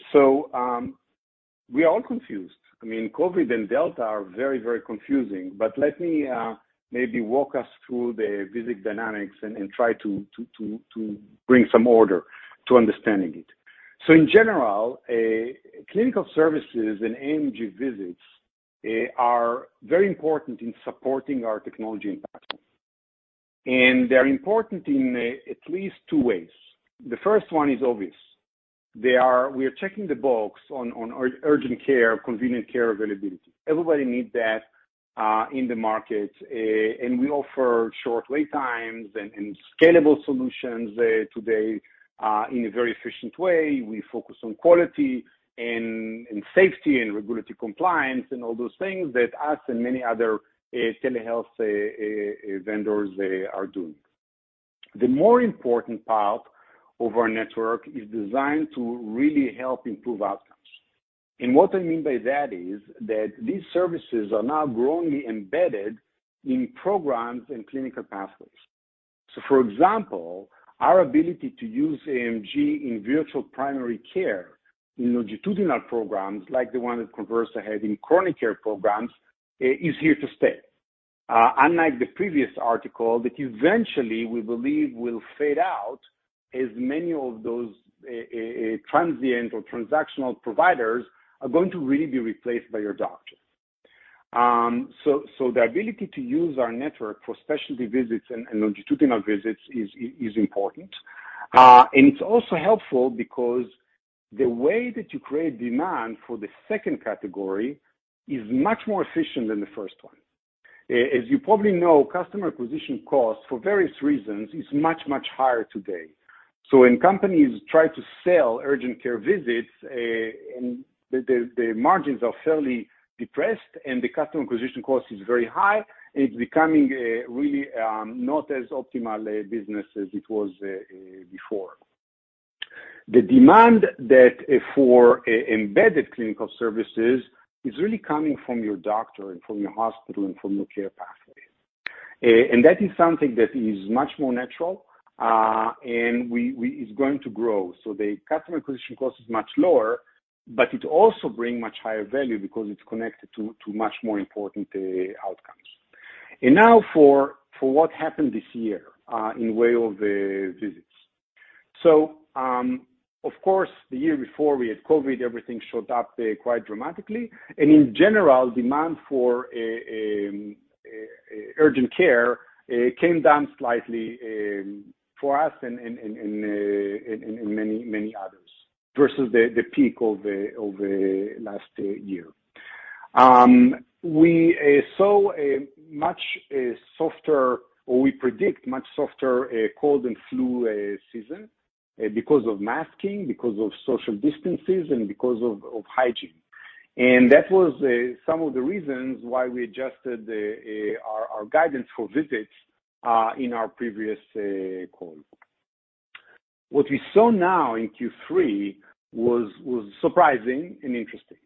We are all confused. I mean, COVID and Delta are very confusing. Let me maybe walk us through the visit dynamics and try to bring some order to understanding it. In general, clinical services and AMG visits are very important in supporting our technology impact. They're important in at least two ways. The first one is obvious. We are checking the box on urgent care, convenient care availability. Everybody needs that in the market, and we offer short wait times and scalable solutions today in a very efficient way. We focus on quality and safety and regulatory compliance and all those things that we and many other telehealth vendors are doing. The more important part of our network is designed to really help improve outcomes. What I mean by that is that these services are now growingly embedded in programs and clinical pathways. For example, our ability to use AMG in virtual primary care in longitudinal programs like the one that Conversa had in chronic care programs is here to stay. Unlike the previous era that eventually we believe will fade out as many of those transient or transactional providers are going to really be replaced by our doctors. The ability to use our network for specialty visits and longitudinal visits is important. It's also helpful because the way that you create demand for the second category is much more efficient than the first one. As you probably know, customer acquisition costs for various reasons is much, much higher today. When companies try to sell urgent care visits, the margins are fairly depressed and the customer acquisition cost is very high, and it's becoming really not as optimal a business as it was before. The demand for embedded clinical services is really coming from your doctor and from your hospital and from your care pathways. That is something that is much more natural, and it's going to grow. The customer acquisition cost is much lower, but it also bring much higher value because it's connected to much more important outcomes. Now for what happened this year in way of the visits. Of course, the year before we had COVID, everything showed up quite dramatically. In general, demand for urgent care came down slightly for us and many others versus the peak of last year. We saw a much softer, or we predict much softer, cold and flu season because of masking, because of social distances, and because of hygiene. That was some of the reasons why we adjusted our guidance for visits in our previous call. What we saw now in Q3 was surprising and interesting.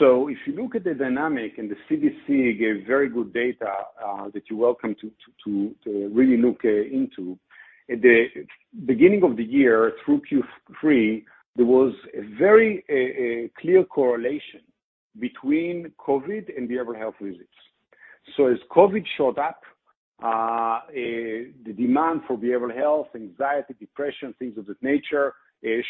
If you look at the dynamic, and the CDC gave very good data that you're welcome to really look into. At the beginning of the year through Q3, there was a very clear correlation between COVID and behavioral health visits. As COVID showed up, the demand for behavioral health, anxiety, depression, things of that nature,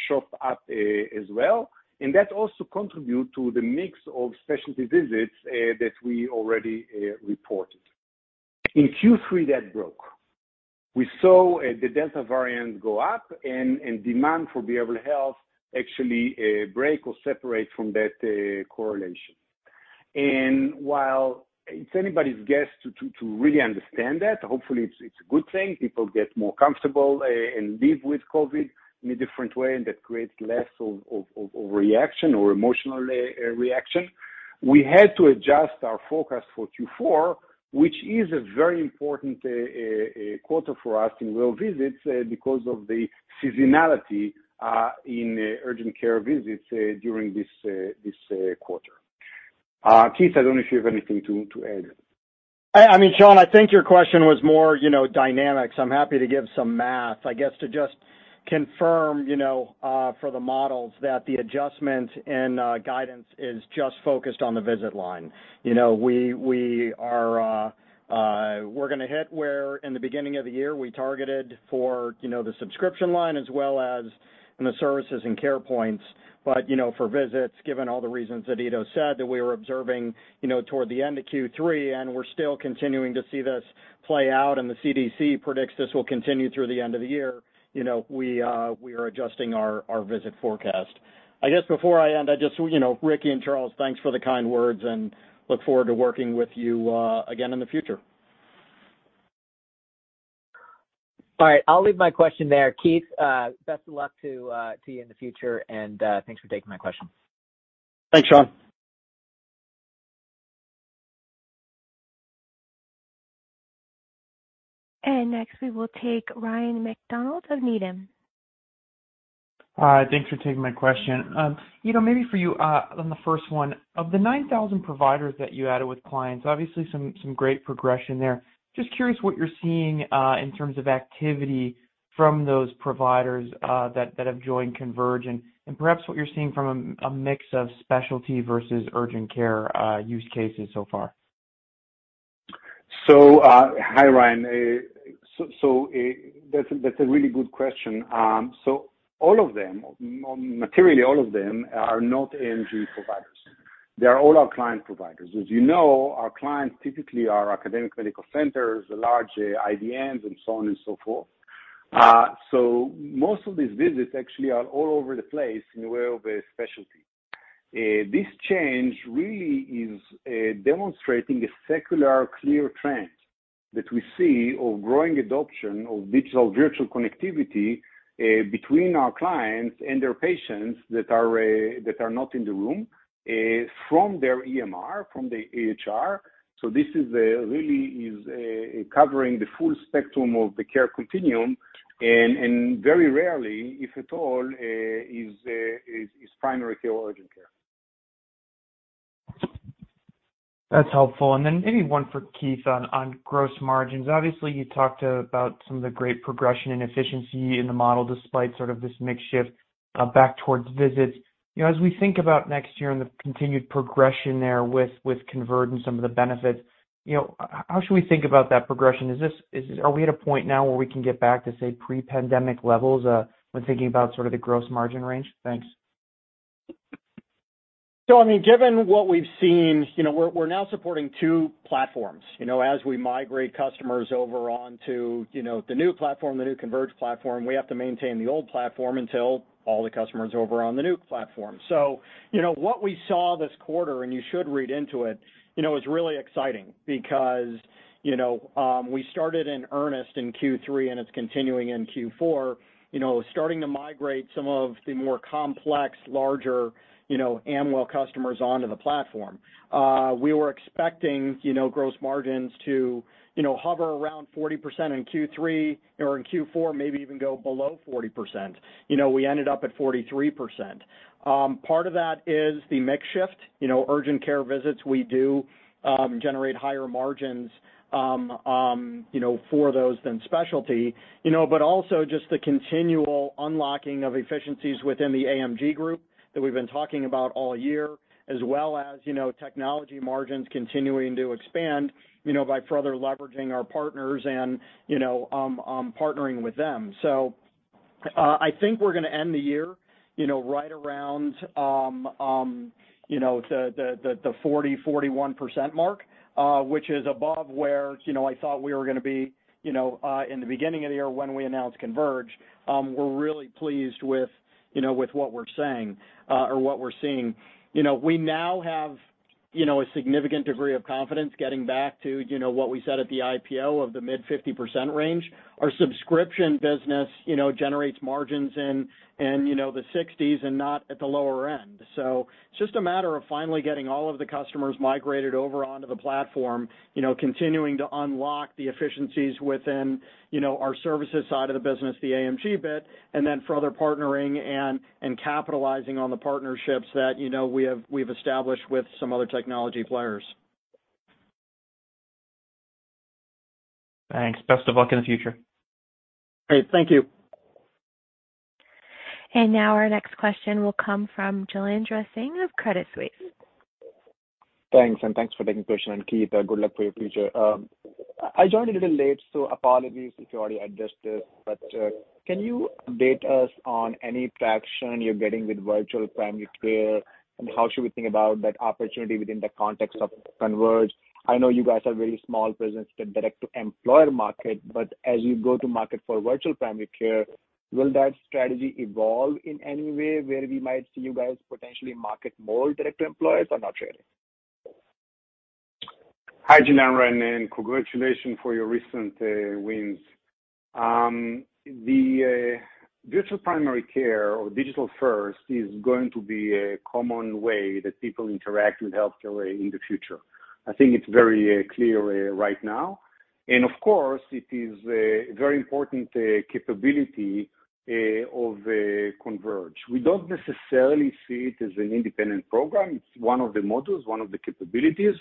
showed up as well, and that also contribute to the mix of specialty visits that we already reported. In Q3, that broke. We saw the Delta variant go up and demand for behavioral health actually break or separate from that correlation. While it's anybody's guess to really understand that, hopefully it's a good thing. People get more comfortable and live with COVID in a different way, and that creates less of reaction or emotional reaction. We had to adjust our forecast for Q4, which is a very important quarter for us in well visits, because of the seasonality in urgent care visits during this quarter. Keith, I don't know if you have anything to add. I mean, Sean, I think your question was more, you know, dynamics. I'm happy to give some math, I guess, to just confirm, you know, for the models that the adjustment and guidance is just focused on the visit line. You know, we're gonna hit where in the beginning of the year we targeted for, you know, the subscription line as well as in the services and CarePoints. You know, for visits, given all the reasons that Ido said, that we were observing, you know, toward the end of Q3, and we're still continuing to see this play out, and the CDC predicts this will continue through the end of the year. You know, we are adjusting our visit forecast. I guess before I end, I just, you know, Ricky and Charles, thanks for the kind words and look forward to working with you again in the future. All right. I'll leave my question there. Keith, best of luck to you in the future, and thanks for taking my question. Thanks, Sean. Next, we will take Ryan MacDonald of Needham. Thanks for taking my question. Ido, maybe for you, on the first one. Of the 9,000 providers that you added with clients, obviously some great progression there. Just curious what you're seeing, in terms of activity from those providers, that have joined Converge and, perhaps what you're seeing from a mix of specialty versus urgent care, use cases so far. Hi, Ryan. That's a really good question. Materially, all of them are not AMG providers. They are all our client providers. As you know, our clients typically are academic medical centers, large IDNs and so on and so forth. Most of these visits actually are all over the place in the way of a specialty. This change really is demonstrating a secular clear trend that we see of growing adoption of digital virtual connectivity between our clients and their patients that are not in the room from their EMR, from the EHR. This is really covering the full spectrum of the care continuum, and very rarely, if at all, is primary care or urgent care. That's helpful. Maybe one for Keith on gross margins. Obviously, you talked about some of the great progression and efficiency in the model despite sort of this mix shift back towards visits. You know, as we think about next year and the continued progression there with Converge and some of the benefits, you know, how should we think about that progression? Are we at a point now where we can get back to, say, pre-pandemic levels when thinking about sort of the gross margin range? Thanks. I mean, given what we've seen, you know, we're now supporting two platforms. You know, as we migrate customers over onto, you know, the new platform, the new Converge platform, we have to maintain the old platform until all the customers are over on the new platform. You know, what we saw this quarter, and you should read into it, you know, is really exciting because, you know, we started in earnest in Q3, and it's continuing in Q4, you know, starting to migrate some of the more complex, larger, you know, Amwell customers onto the platform. We were expecting, you know, gross margins to, you know, hover around 40% in Q3 or in Q4, maybe even go below 40%. You know, we ended up at 43%. Part of that is the mix shift. You know, urgent care visits, we do generate higher margins, you know, for those than specialty. You know, but also just the continual unlocking of efficiencies within the AMG group that we've been talking about all year, as well as, you know, technology margins continuing to expand, you know, by further leveraging our partners and, you know, partnering with them. I think we're gonna end the year, you know, right around, you know, the 40-41% mark, which is above where, you know, I thought we were gonna be, you know, in the beginning of the year when we announced Converge. We're really pleased with, you know, with what we're saying, or what we're seeing. You know, we now have You know, a significant degree of confidence getting back to, you know, what we said at the IPO of the mid-50% range. Our subscription business, you know, generates margins in, and, you know, the 60s and not at the lower end. Just a matter of finally getting all of the customers migrated over onto the platform. You know, continuing to unlock the efficiencies within, you know, our services side of the business, the AMG bit, and then further partnering and capitalizing on the partnerships that, you know, we've established with some other technology players. Thanks. Best of luck in the future. Great. Thank you. Now our next question will come from Jailendra Singh of Credit Suisse. Thanks, and thanks for taking questions. Keith, good luck for your future. I joined a little late, so apologies if you already addressed this, but can you update us on any traction you're getting with virtual primary care? How should we think about that opportunity within the context of Converge? I know you guys have very small presence in direct to employer market, but as you go to market for virtual primary care, will that strategy evolve in any way where we might see you guys potentially market more direct to employers or not really? Hi, Jailendra, and congratulations for your recent wins. The virtual primary care or digital first is going to be a common way that people interact with healthcare in the future. I think it's very clear right now. Of course, it is a very important capability of Converge. We don't necessarily see it as an independent program. It's one of the modules, one of the capabilities.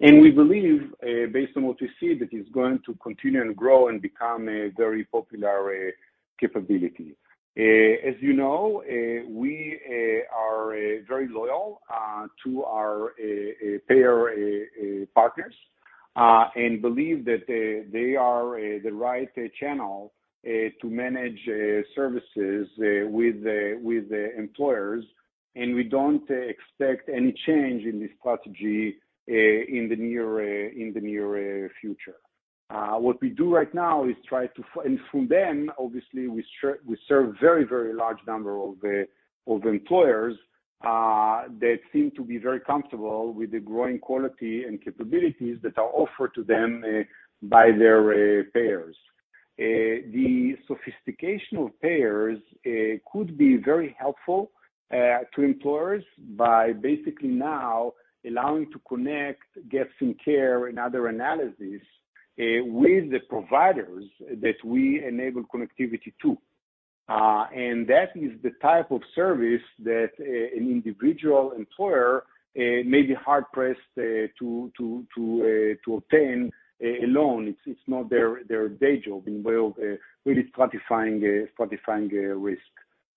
We believe, based on what we see, that it's going to continue to grow and become a very popular capability. As you know, we are very loyal to our payer partners and believe that they are the right channel to manage services with the employers, and we don't expect any change in this strategy in the near future. What we do right now is from them, obviously, we serve very large number of employers that seem to be very comfortable with the growing quality and capabilities that are offered to them by their payers. The sophistication of payers could be very helpful to employers by basically now allowing to connect, get some care and other analysis with the providers that we enable connectivity to. That is the type of service that an individual employer may be hard-pressed to obtain alone. It's not their day job in way of really stratifying the risk.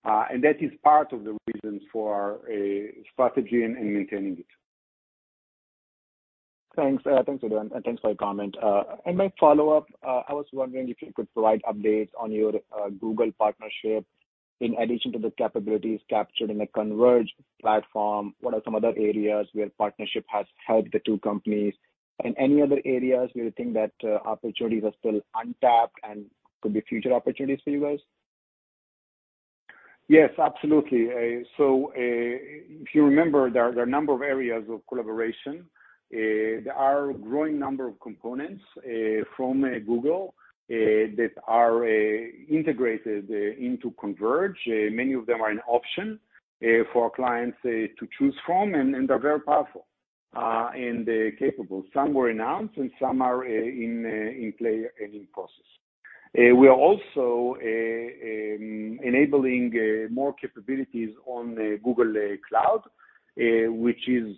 That is part of the reason for our strategy and maintaining it. Thanks. Thanks, everyone, and thanks for your comment. My follow-up, I was wondering if you could provide updates on your Google partnership. In addition to the capabilities captured in the Converge platform, what are some other areas where partnership has helped the two companies? Any other areas where you think that opportunities are still untapped and could be future opportunities for you guys? Yes, absolutely. If you remember, there are a number of areas of collaboration. There are a growing number of components from Google that are integrated into Converge. Many of them are an option for our clients to choose from, and they're very powerful and capable. Some were announced, and some are in play and in process. We are also enabling more capabilities on the Google Cloud, which is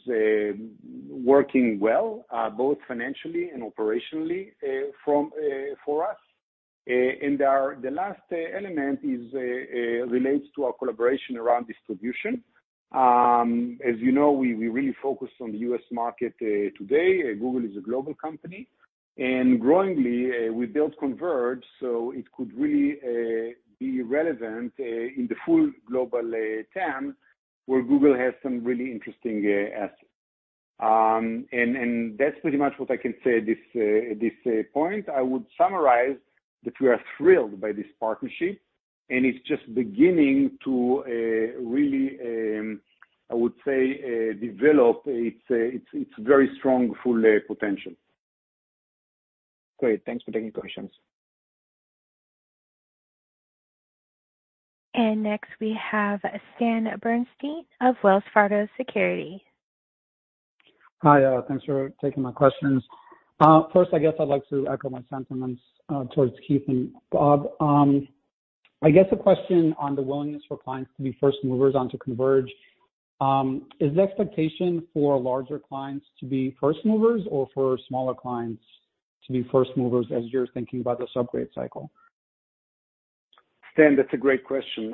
working well both financially and operationally for us. The last element is relates to our collaboration around distribution. As you know, we really focus on the U.S. market today. Google is a global company. Growing, we built Converge, so it could really be relevant in the full global term where Google has some really interesting assets. And that's pretty much what I can say at this point. I would summarize that we are thrilled by this partnership, and it's just beginning to really develop its very strong full potential. Great. Thanks for taking questions. Next, we have Stan Berenshteyn of Wells Fargo Securities. Hi. Thanks for taking my questions. First, I guess I'd like to echo my sentiments towards Keith and Bob. I guess a question on the willingness for clients to be first movers onto Converge. Is the expectation for larger clients to be first movers or for smaller clients to be first movers as you're thinking about the upgrade cycle? Stan, that's a great question.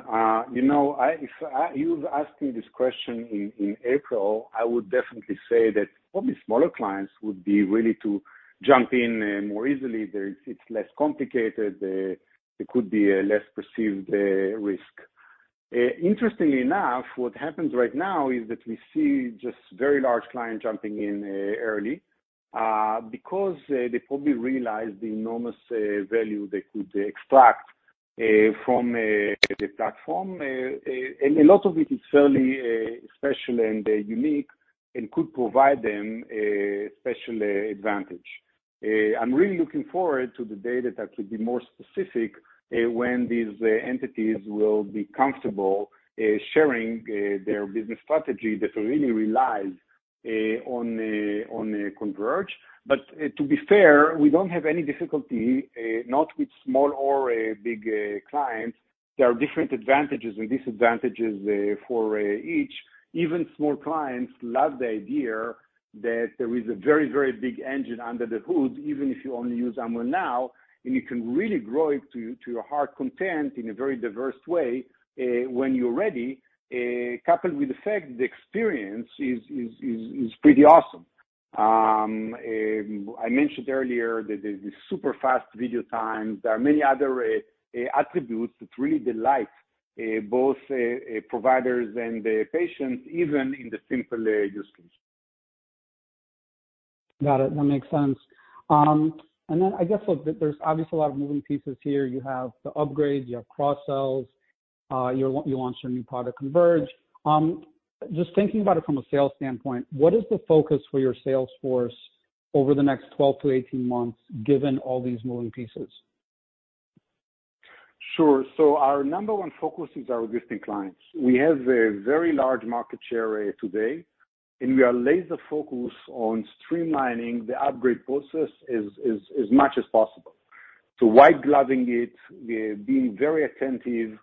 You know, if you've asked me this question in April, I would definitely say that probably smaller clients would be ready to jump in more easily. It's less complicated. It could be a less perceived risk. Interestingly enough, what happens right now is that we see just very large clients jumping in early. They probably realized the enormous value they could extract from the platform. A lot of it is fairly special and unique and could provide them a special advantage. I'm really looking forward to the day that I could be more specific when these entities will be comfortable sharing their business strategy that really relies on the Converge. To be fair, we don't have any difficulty not with small or big clients. There are different advantages and disadvantages for each. Even small clients love the idea that there is a very, very big engine under the hood, even if you only use Amwell Now, and you can really grow it to your heart's content in a very diverse way when you're ready, coupled with the fact the experience is pretty awesome. I mentioned earlier that there's this super-fast video times. There are many other attributes that really delight both providers and the patients, even in the simpler usage. Got it. That makes sense. I guess there's obviously a lot of moving pieces here. You have the upgrades, you have cross sells, you launched a new product, Converge. Just thinking about it from a sales standpoint, what is the focus for your sales force over the next 12-18 months, given all these moving pieces? Sure. Our number one focus is our existing clients. We have a very large market share today, and we are laser-focused on streamlining the upgrade process as much as possible. White gloving it, we're being very attentive,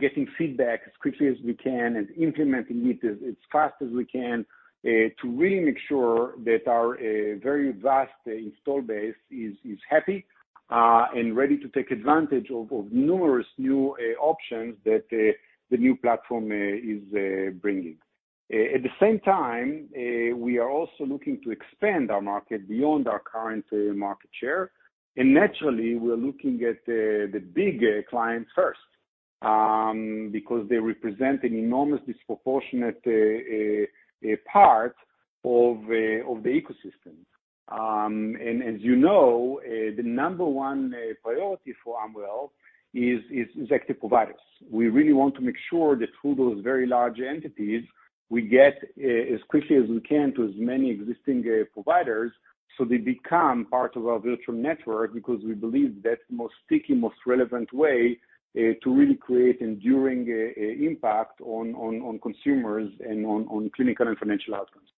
getting feedback as quickly as we can and implementing it as fast as we can, to really make sure that our very vast installed base is happy and ready to take advantage of numerous new options that the new platform is bringing. At the same time, we are also looking to expand our market beyond our current market share. Naturally, we're looking at the big clients first, because they represent an enormous disproportionate part of the ecosystem. As you know, the number one priority for Amwell is actually providers. We really want to make sure that through those very large entities, we get as quickly as we can to as many existing providers, so they become part of our virtual network because we believe that's the most sticky, most relevant way to really create enduring impact on consumers and on clinical and financial outcomes.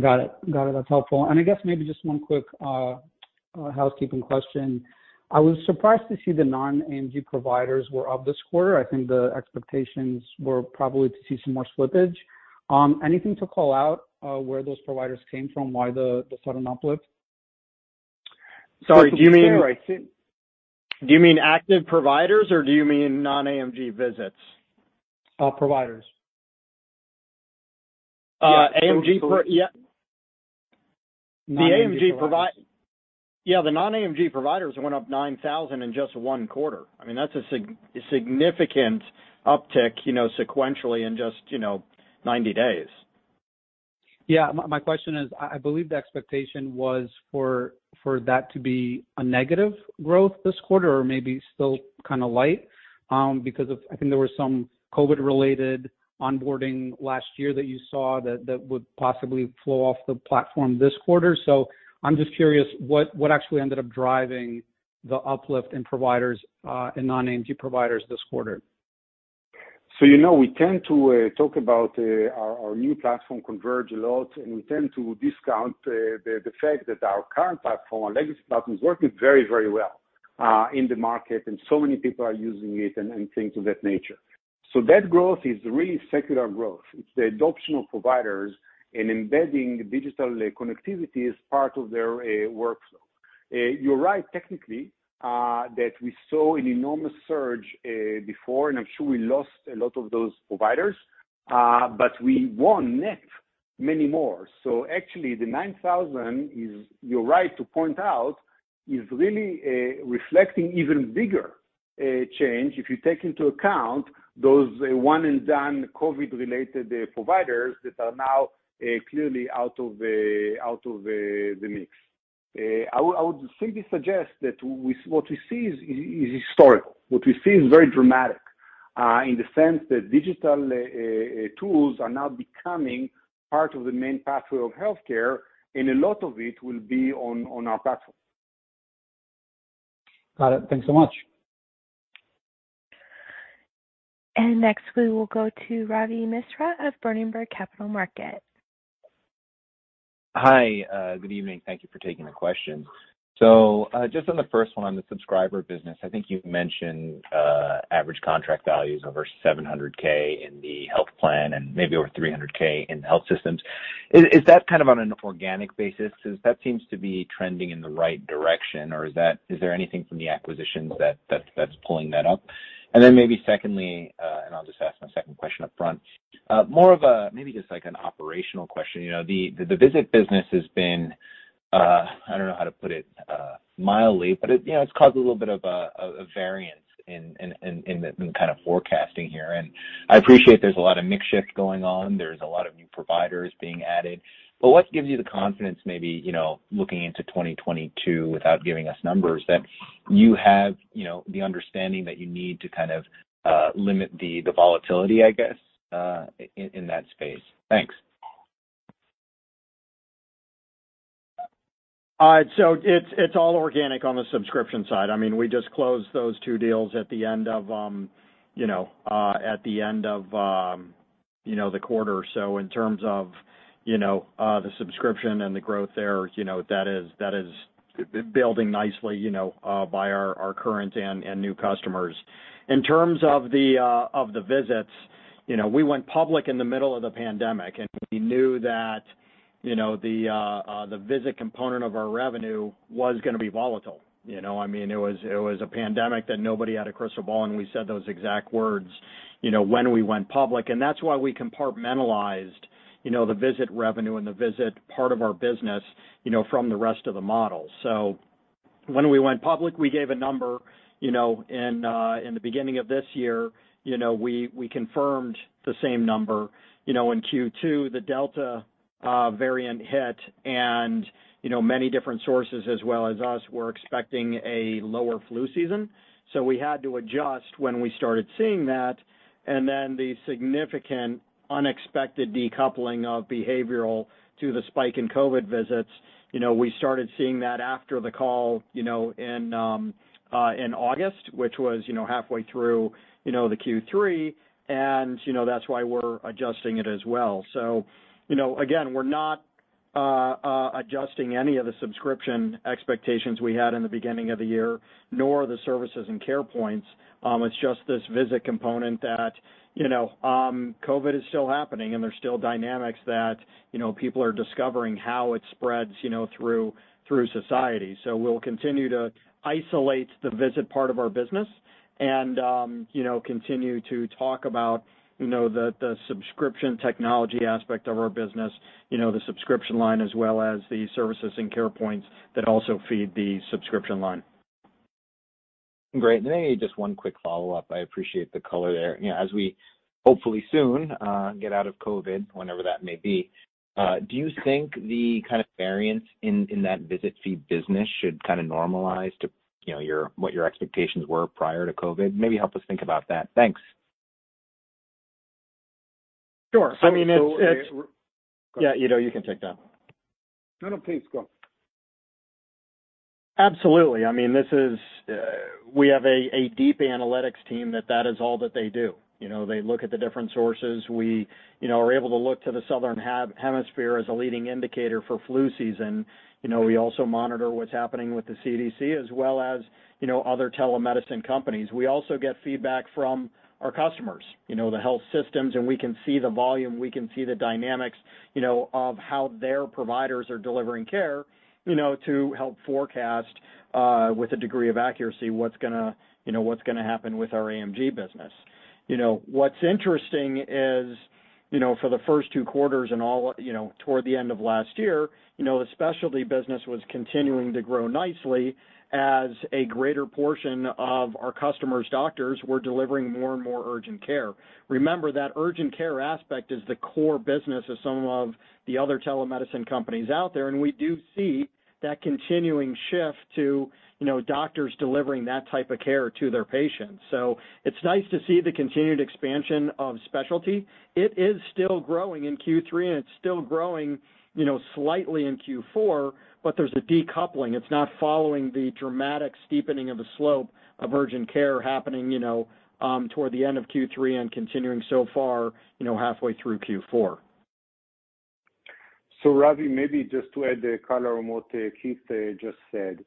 Got it. That's helpful. I guess maybe just one quick housekeeping question. I was surprised to see the non-AMG providers were up this quarter. I think the expectations were probably to see some more slippage. Anything to call out where those providers came from, why the sudden uplift? Sorry, do you mean? Do you mean active providers or do you mean non-AMG visits? Providers. Yeah. Non-AMG providers. Yeah, the non-AMG providers went up 9,000 in just one quarter. I mean, that's a significant uptick, you know, sequentially in just, you know, 90 days. Yeah. My question is, I believe the expectation was for that to be a negative growth this quarter or maybe still kinda light, because I think there was some COVID-related onboarding last year that you saw that would possibly flow off the platform this quarter. I'm just curious what actually ended up driving the uplift in providers in non-AMG providers this quarter. You know, we tend to talk about our new platform, Converge, a lot, and we tend to discount the fact that our current platform, our legacy platform, is working very, very well in the market, and so many people are using it and things of that nature. That growth is really secular growth. It's the adoption of providers and embedding digital connectivity as part of their workflow. You're right, technically, that we saw an enormous surge before, and I'm sure we lost a lot of those providers, but we won net many more. Actually, the 9,000 is, you're right to point out, is really reflecting even bigger change if you take into account those one-and-done COVID-related providers that are now clearly out of the mix. I would simply suggest what we see is historical. What we see is very dramatic in the sense that digital tools are now becoming part of the main pathway of healthcare, and a lot of it will be on our platform. Got it. Thanks so much. Next, we will go to Ravi Misra of Berenberg Capital Markets. Hi. Good evening. Thank you for taking the question. Just on the first one, on the subscriber business, I think you mentioned average contract value is over $700K in the health plan and maybe over $300K in health systems. Is that kind of on an organic basis? Because that seems to be trending in the right direction or is there anything from the acquisitions that's pulling that up? Maybe secondly, and I'll just ask my second question up front. More of a maybe just like an operational question. You know, the visit business has been, I don't know how to put it mildly, but you know, it's caused a little bit of a variance in the kind of forecasting here. I appreciate there's a lot of mix shift going on. There's a lot of new providers being added. But what gives you the confidence maybe, you know, looking into 2022, without giving us numbers, that you have, you know, the understanding that you need to kind of limit the volatility, I guess, in that space? Thanks. It's all organic on the subscription side. I mean, we just closed those two deals at the end of the quarter. In terms of the subscription and the growth there, that is building nicely by our current and new customers. In terms of the visits, we went public in the middle of the pandemic, and we knew that the visit component of our revenue was gonna be volatile. You know, I mean, it was a pandemic that nobody had a crystal ball, and we said those exact words when we went public. That's why we compartmentalized, you know, the visit revenue and the visit part of our business, you know, from the rest of the model. When we went public, we gave a number, you know, and in the beginning of this year, you know, we confirmed the same number. You know, in Q2, the Delta variant hit and, you know, many different sources as well as us were expecting a lower flu season, so we had to adjust when we started seeing that. The significant unexpected decoupling of behavioral to the spike in COVID visits, you know, we started seeing that after the call, you know, in August, which was, you know, halfway through, you know, the Q3. You know, that's why we're adjusting it as well. You know, again, we're not adjusting any of the subscription expectations we had in the beginning of the year, nor the services and care points. It's just this visit component that, you know, COVID is still happening, and there's still dynamics that, you know, people are discovering how it spreads, you know, through society. We'll continue to isolate the visit part of our business and, you know, continue to talk about, you know, the subscription technology aspect of our business, you know, the subscription line, as well as the services and care points that also feed the subscription line. Great. Maybe just one quick follow-up. I appreciate the color there. You know, as we hopefully soon get out of COVID, whenever that may be, do you think the kind of variance in that visit fee business should kinda normalize to, you know, your what your expectations were prior to COVID? Maybe help us think about that. Thanks. Sure. I mean, it's So, so, uh, go- Yeah, Ido, you can take that. No, no, please go. Absolutely. I mean, this is, we have a deep analytics team that is all that they do. You know, they look at the different sources. We, you know, are able to look to the southern hemisphere as a leading indicator for flu season. You know, we also monitor what's happening with the CDC as well as, you know, other telemedicine companies. We also get feedback from our customers, you know, the health systems, and we can see the volume, we can see the dynamics, you know, of how their providers are delivering care, you know, to help forecast with a degree of accuracy what's gonna, you know, what's gonna happen with our AMG business. You know, what's interesting is, you know, for the first two quarters and all, you know, toward the end of last year, you know, the specialty business was continuing to grow nicely as a greater portion of our customers' doctors were delivering more and more urgent care. Remember, that urgent care aspect is the core business of some of the other telemedicine companies out there, and we do see that continuing shift to, you know, doctors delivering that type of care to their patients. It's nice to see the continued expansion of specialty. It is still growing in Q3, and it's still growing, you know, slightly in Q4, but there's a decoupling. It's not following the dramatic steepening of the slope of urgent care happening, you know, toward the end of Q3 and continuing so far, you know, halfway through Q4. Ravi, maybe just to add color on what Keith just said.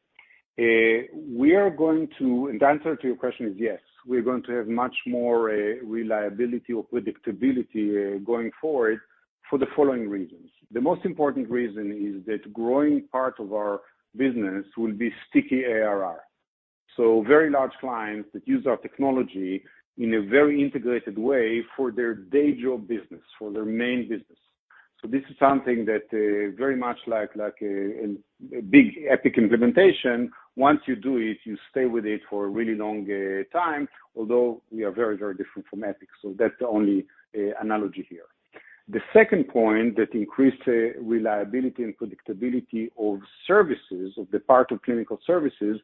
The answer to your question is yes, we're going to have much more reliability or predictability going forward for the following reasons. The most important reason is that growing part of our business will be sticky ARR. Very large clients that use our technology in a very integrated way for their day job business, for their main business. This is something that very much like a big Epic implementation. Once you do it, you stay with it for a really long time, although we are very, very different from Epic, so that's the only analogy here. The second point that increased reliability and predictability of services, of the part of clinical services,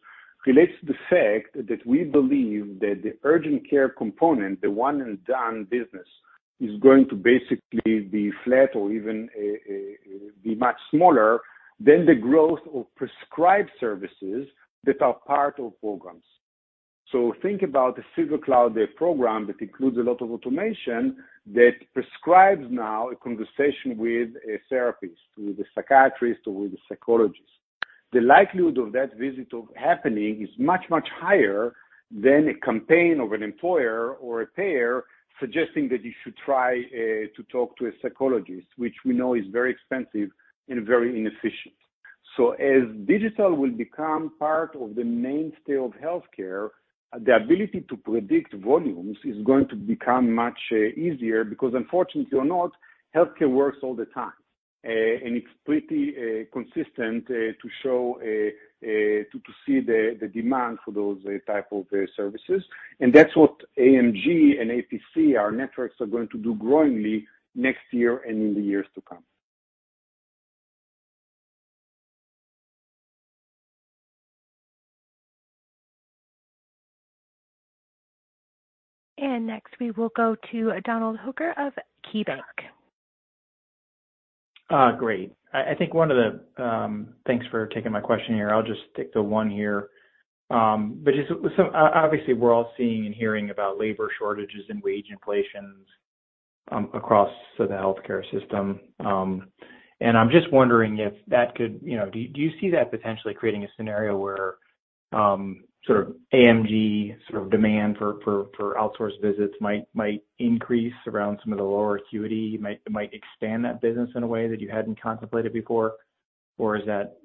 relates to the fact that we believe that the urgent care component, the one-and-done business, is going to basically be flat or even be much smaller than the growth of prescribed services that are part of programs. Think about the SilverCloud Health, their program that includes a lot of automation that prescribes now a conversation with a therapist, with a psychiatrist or with a psychologist. The likelihood of that visit of happening is much, much higher than a campaign of an employer or a payer suggesting that you should try to talk to a psychologist, which we know is very expensive and very inefficient. As digital will become part of the mainstay of healthcare, the ability to predict volumes is going to become much easier because unfortunately or not, healthcare works all the time. It's pretty consistent to see the demand for those type of services. That's what AMG and APC, our networks are going to do growingly next year and in the years to come. Next, we will go to Donald Hooker of KeyBanc. Great. Thanks for taking my question here. I'll just stick to one here. Just so obviously, we're all seeing and hearing about labor shortages and wage inflations across the healthcare system. I'm just wondering if that could, you know, do you see that potentially creating a scenario where sort of AMG sort of demand for outsourced visits might increase around some of the lower acuity might expand that business in a way that you hadn't contemplated before? Or is that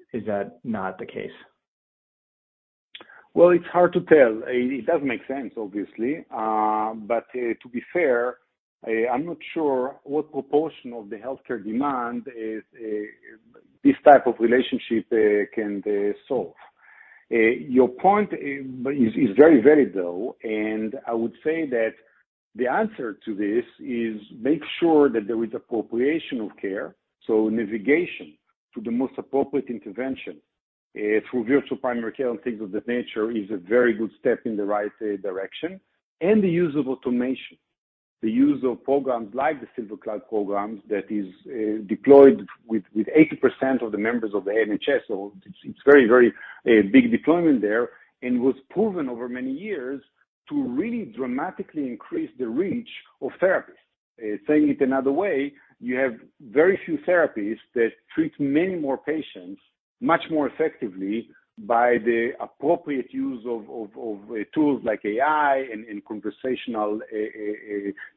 not the case? Well, it's hard to tell. It does make sense, obviously. To be fair, I'm not sure what proportion of the healthcare demand is this type of relationship can solve. Your point is very valid, though, and I would say that the answer to this is make sure that there is appropriate care, so navigation to the most appropriate intervention through virtual primary care and things of that nature is a very good step in the right direction, and the use of automation. The use of programs like the SilverCloud programs that is deployed with 80% of the members of the NHS, so it's a very big deployment there, and was proven over many years to really dramatically increase the reach of therapists. Saying it another way, you have very few therapists that treat many more patients much more effectively by the appropriate use of tools like AI and conversational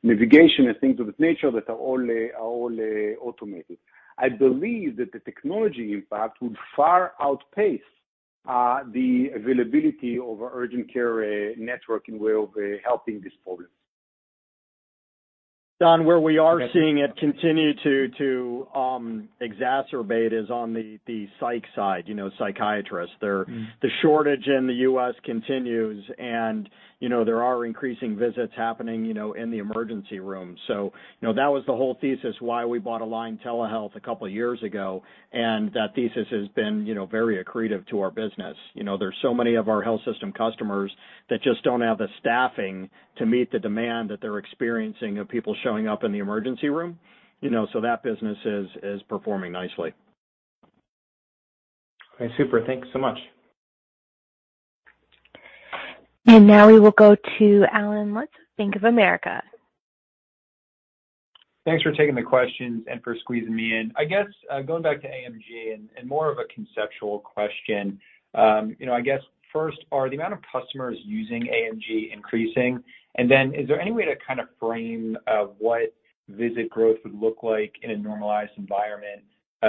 navigation and things of its nature that are all automated. I believe that the technology impact would far outpace the availability of urgent care network in way of helping this problem. Don, where we are seeing it continue to exacerbate is on the psych side, you know, psychiatrists. There- Mm-hmm. The shortage in the U.S. continues and, you know, there are increasing visits happening, you know, in the emergency room. You know, that was the whole thesis why we bought Aligned Telehealth a couple of years ago, and that thesis has been, you know, very accretive to our business. You know, there's so many of our health system customers that just don't have the staffing to meet the demand that they're experiencing of people showing up in the emergency room. You know, so that business is performing nicely. Okay, super. Thanks so much. Now we will go to Allen Lutz, Bank of America. Thanks for taking the questions and for squeezing me in. I guess, going back to AMG and more of a conceptual question, you know, I guess first, are the amount of customers using AMG increasing? And then is there any way to kind of frame, what visit growth would look like in a normalized environment?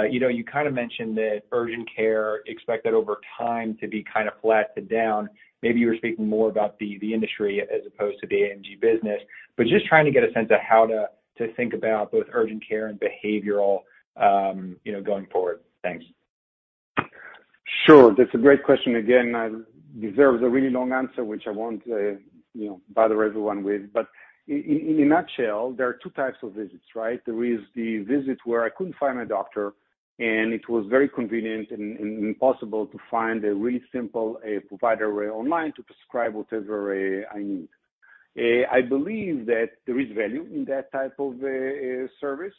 You know, you kinda mentioned that urgent care expect that over time to be kinda flat to down. Maybe you were speaking more about the industry as opposed to the AMG business. But just trying to get a sense of how to think about both urgent care and behavioral, you know, going forward. Thanks. Sure. That's a great question again. Deserves a really long answer, which I won't, you know, bother everyone with. But in a nutshell, there are two types of visits, right? There is the visit where I couldn't find my doctor, and it was very convenient and impossible to find a really simple provider online to prescribe whatever I need. I believe that there is value in that type of service,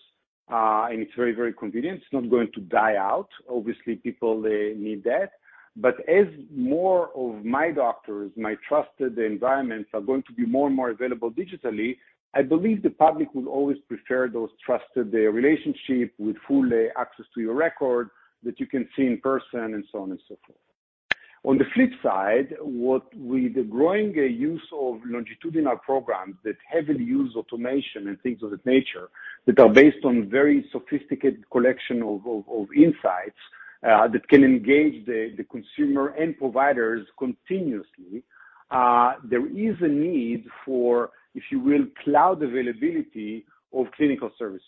and it's very, very convenient. It's not going to die out. Obviously, people, they need that. But as more of my doctors, my trusted environments are going to be more and more available digitally, I believe the public will always prefer those trusted relationship with full access to your record that you can see in person and so on and so forth. On the flip side, what with the growing use of longitudinal programs that heavily use automation and things of that nature that are based on very sophisticated collection of insights, that can engage the consumer and providers continuously, there is a need for, if you will, cloud availability of clinical services,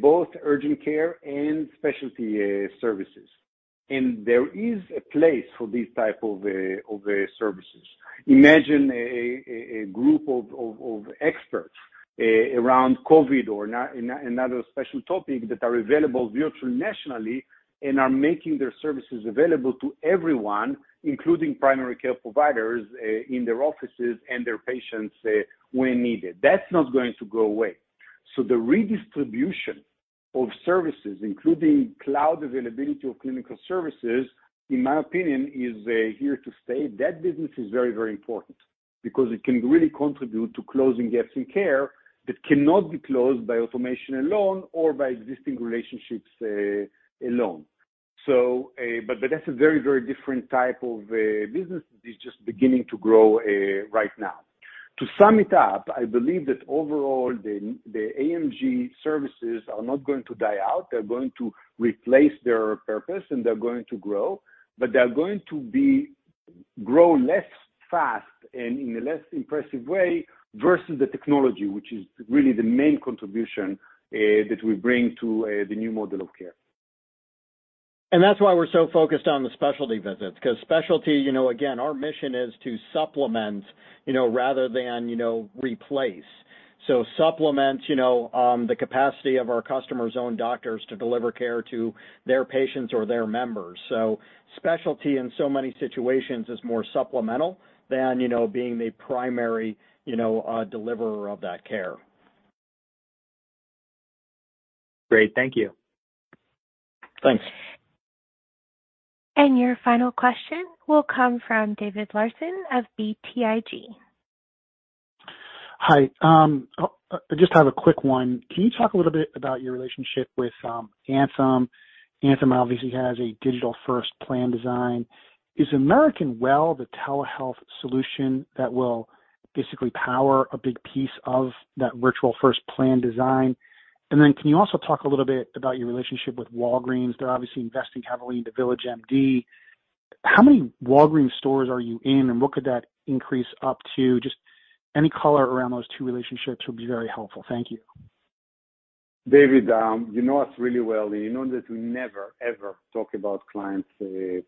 both urgent care and specialty services. There is a place for these type of services. Imagine a group of experts around COVID or another special topic that are available virtually, nationally, and are making their services available to everyone, including primary care providers in their offices and their patients, when needed. That's not going to go away. The redistribution of services, including cloud availability of clinical services, in my opinion, is here to stay. That business is very, very important because it can really contribute to closing gaps in care that cannot be closed by automation alone or by existing relationships alone. That's a very, very different type of business that is just beginning to grow right now. To sum it up, I believe that overall, the AMG services are not going to die out. They're going to replace their purpose and they're going to grow, but they're going to be growing less fast and in a less impressive way versus the technology, which is really the main contribution that we bring to the new model of care. That's why we're so focused on the specialty visits, because specialty, you know, again, our mission is to supplement, you know, rather than, you know, replace. Supplement, you know, the capacity of our customers' own doctors to deliver care to their patients or their members. Specialty in so many situations is more supplemental than, you know, being the primary, you know, deliverer of that care. Great. Thank you. Thanks. Your final question will come from David Larsen of BTIG. Hi. I just have a quick one. Can you talk a little bit about your relationship with Anthem? Anthem obviously has a digital-first plan design. Is American Well the telehealth solution that will basically power a big piece of that virtual first plan design? Can you also talk a little bit about your relationship with Walgreens? They're obviously investing heavily into VillageMD. How many Walgreens stores are you in, and what could that increase up to? Just any color around those two relationships would be very helpful. Thank you. David, you know us really well, and you know that we never, ever talk about clients'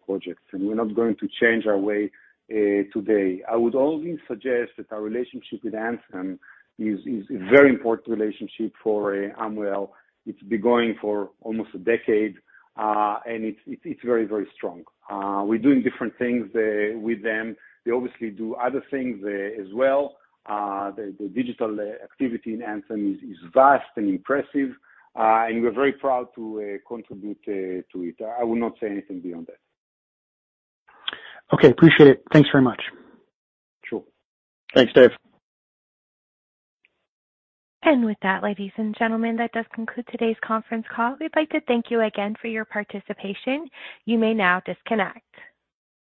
projects, and we're not going to change our way today. I would only suggest that our relationship with Anthem is a very important relationship for Amwell. It's been going for almost a decade, and it's very, very strong. We're doing different things with them. They obviously do other things as well. The digital activity in Anthem is vast and impressive, and we're very proud to contribute to it. I will not say anything beyond that. Okay. Appreciate it. Thanks very much. Sure. Thanks, Dave. With that, ladies and gentlemen, that does conclude today's conference call. We'd like to thank you again for your participation. You may now disconnect.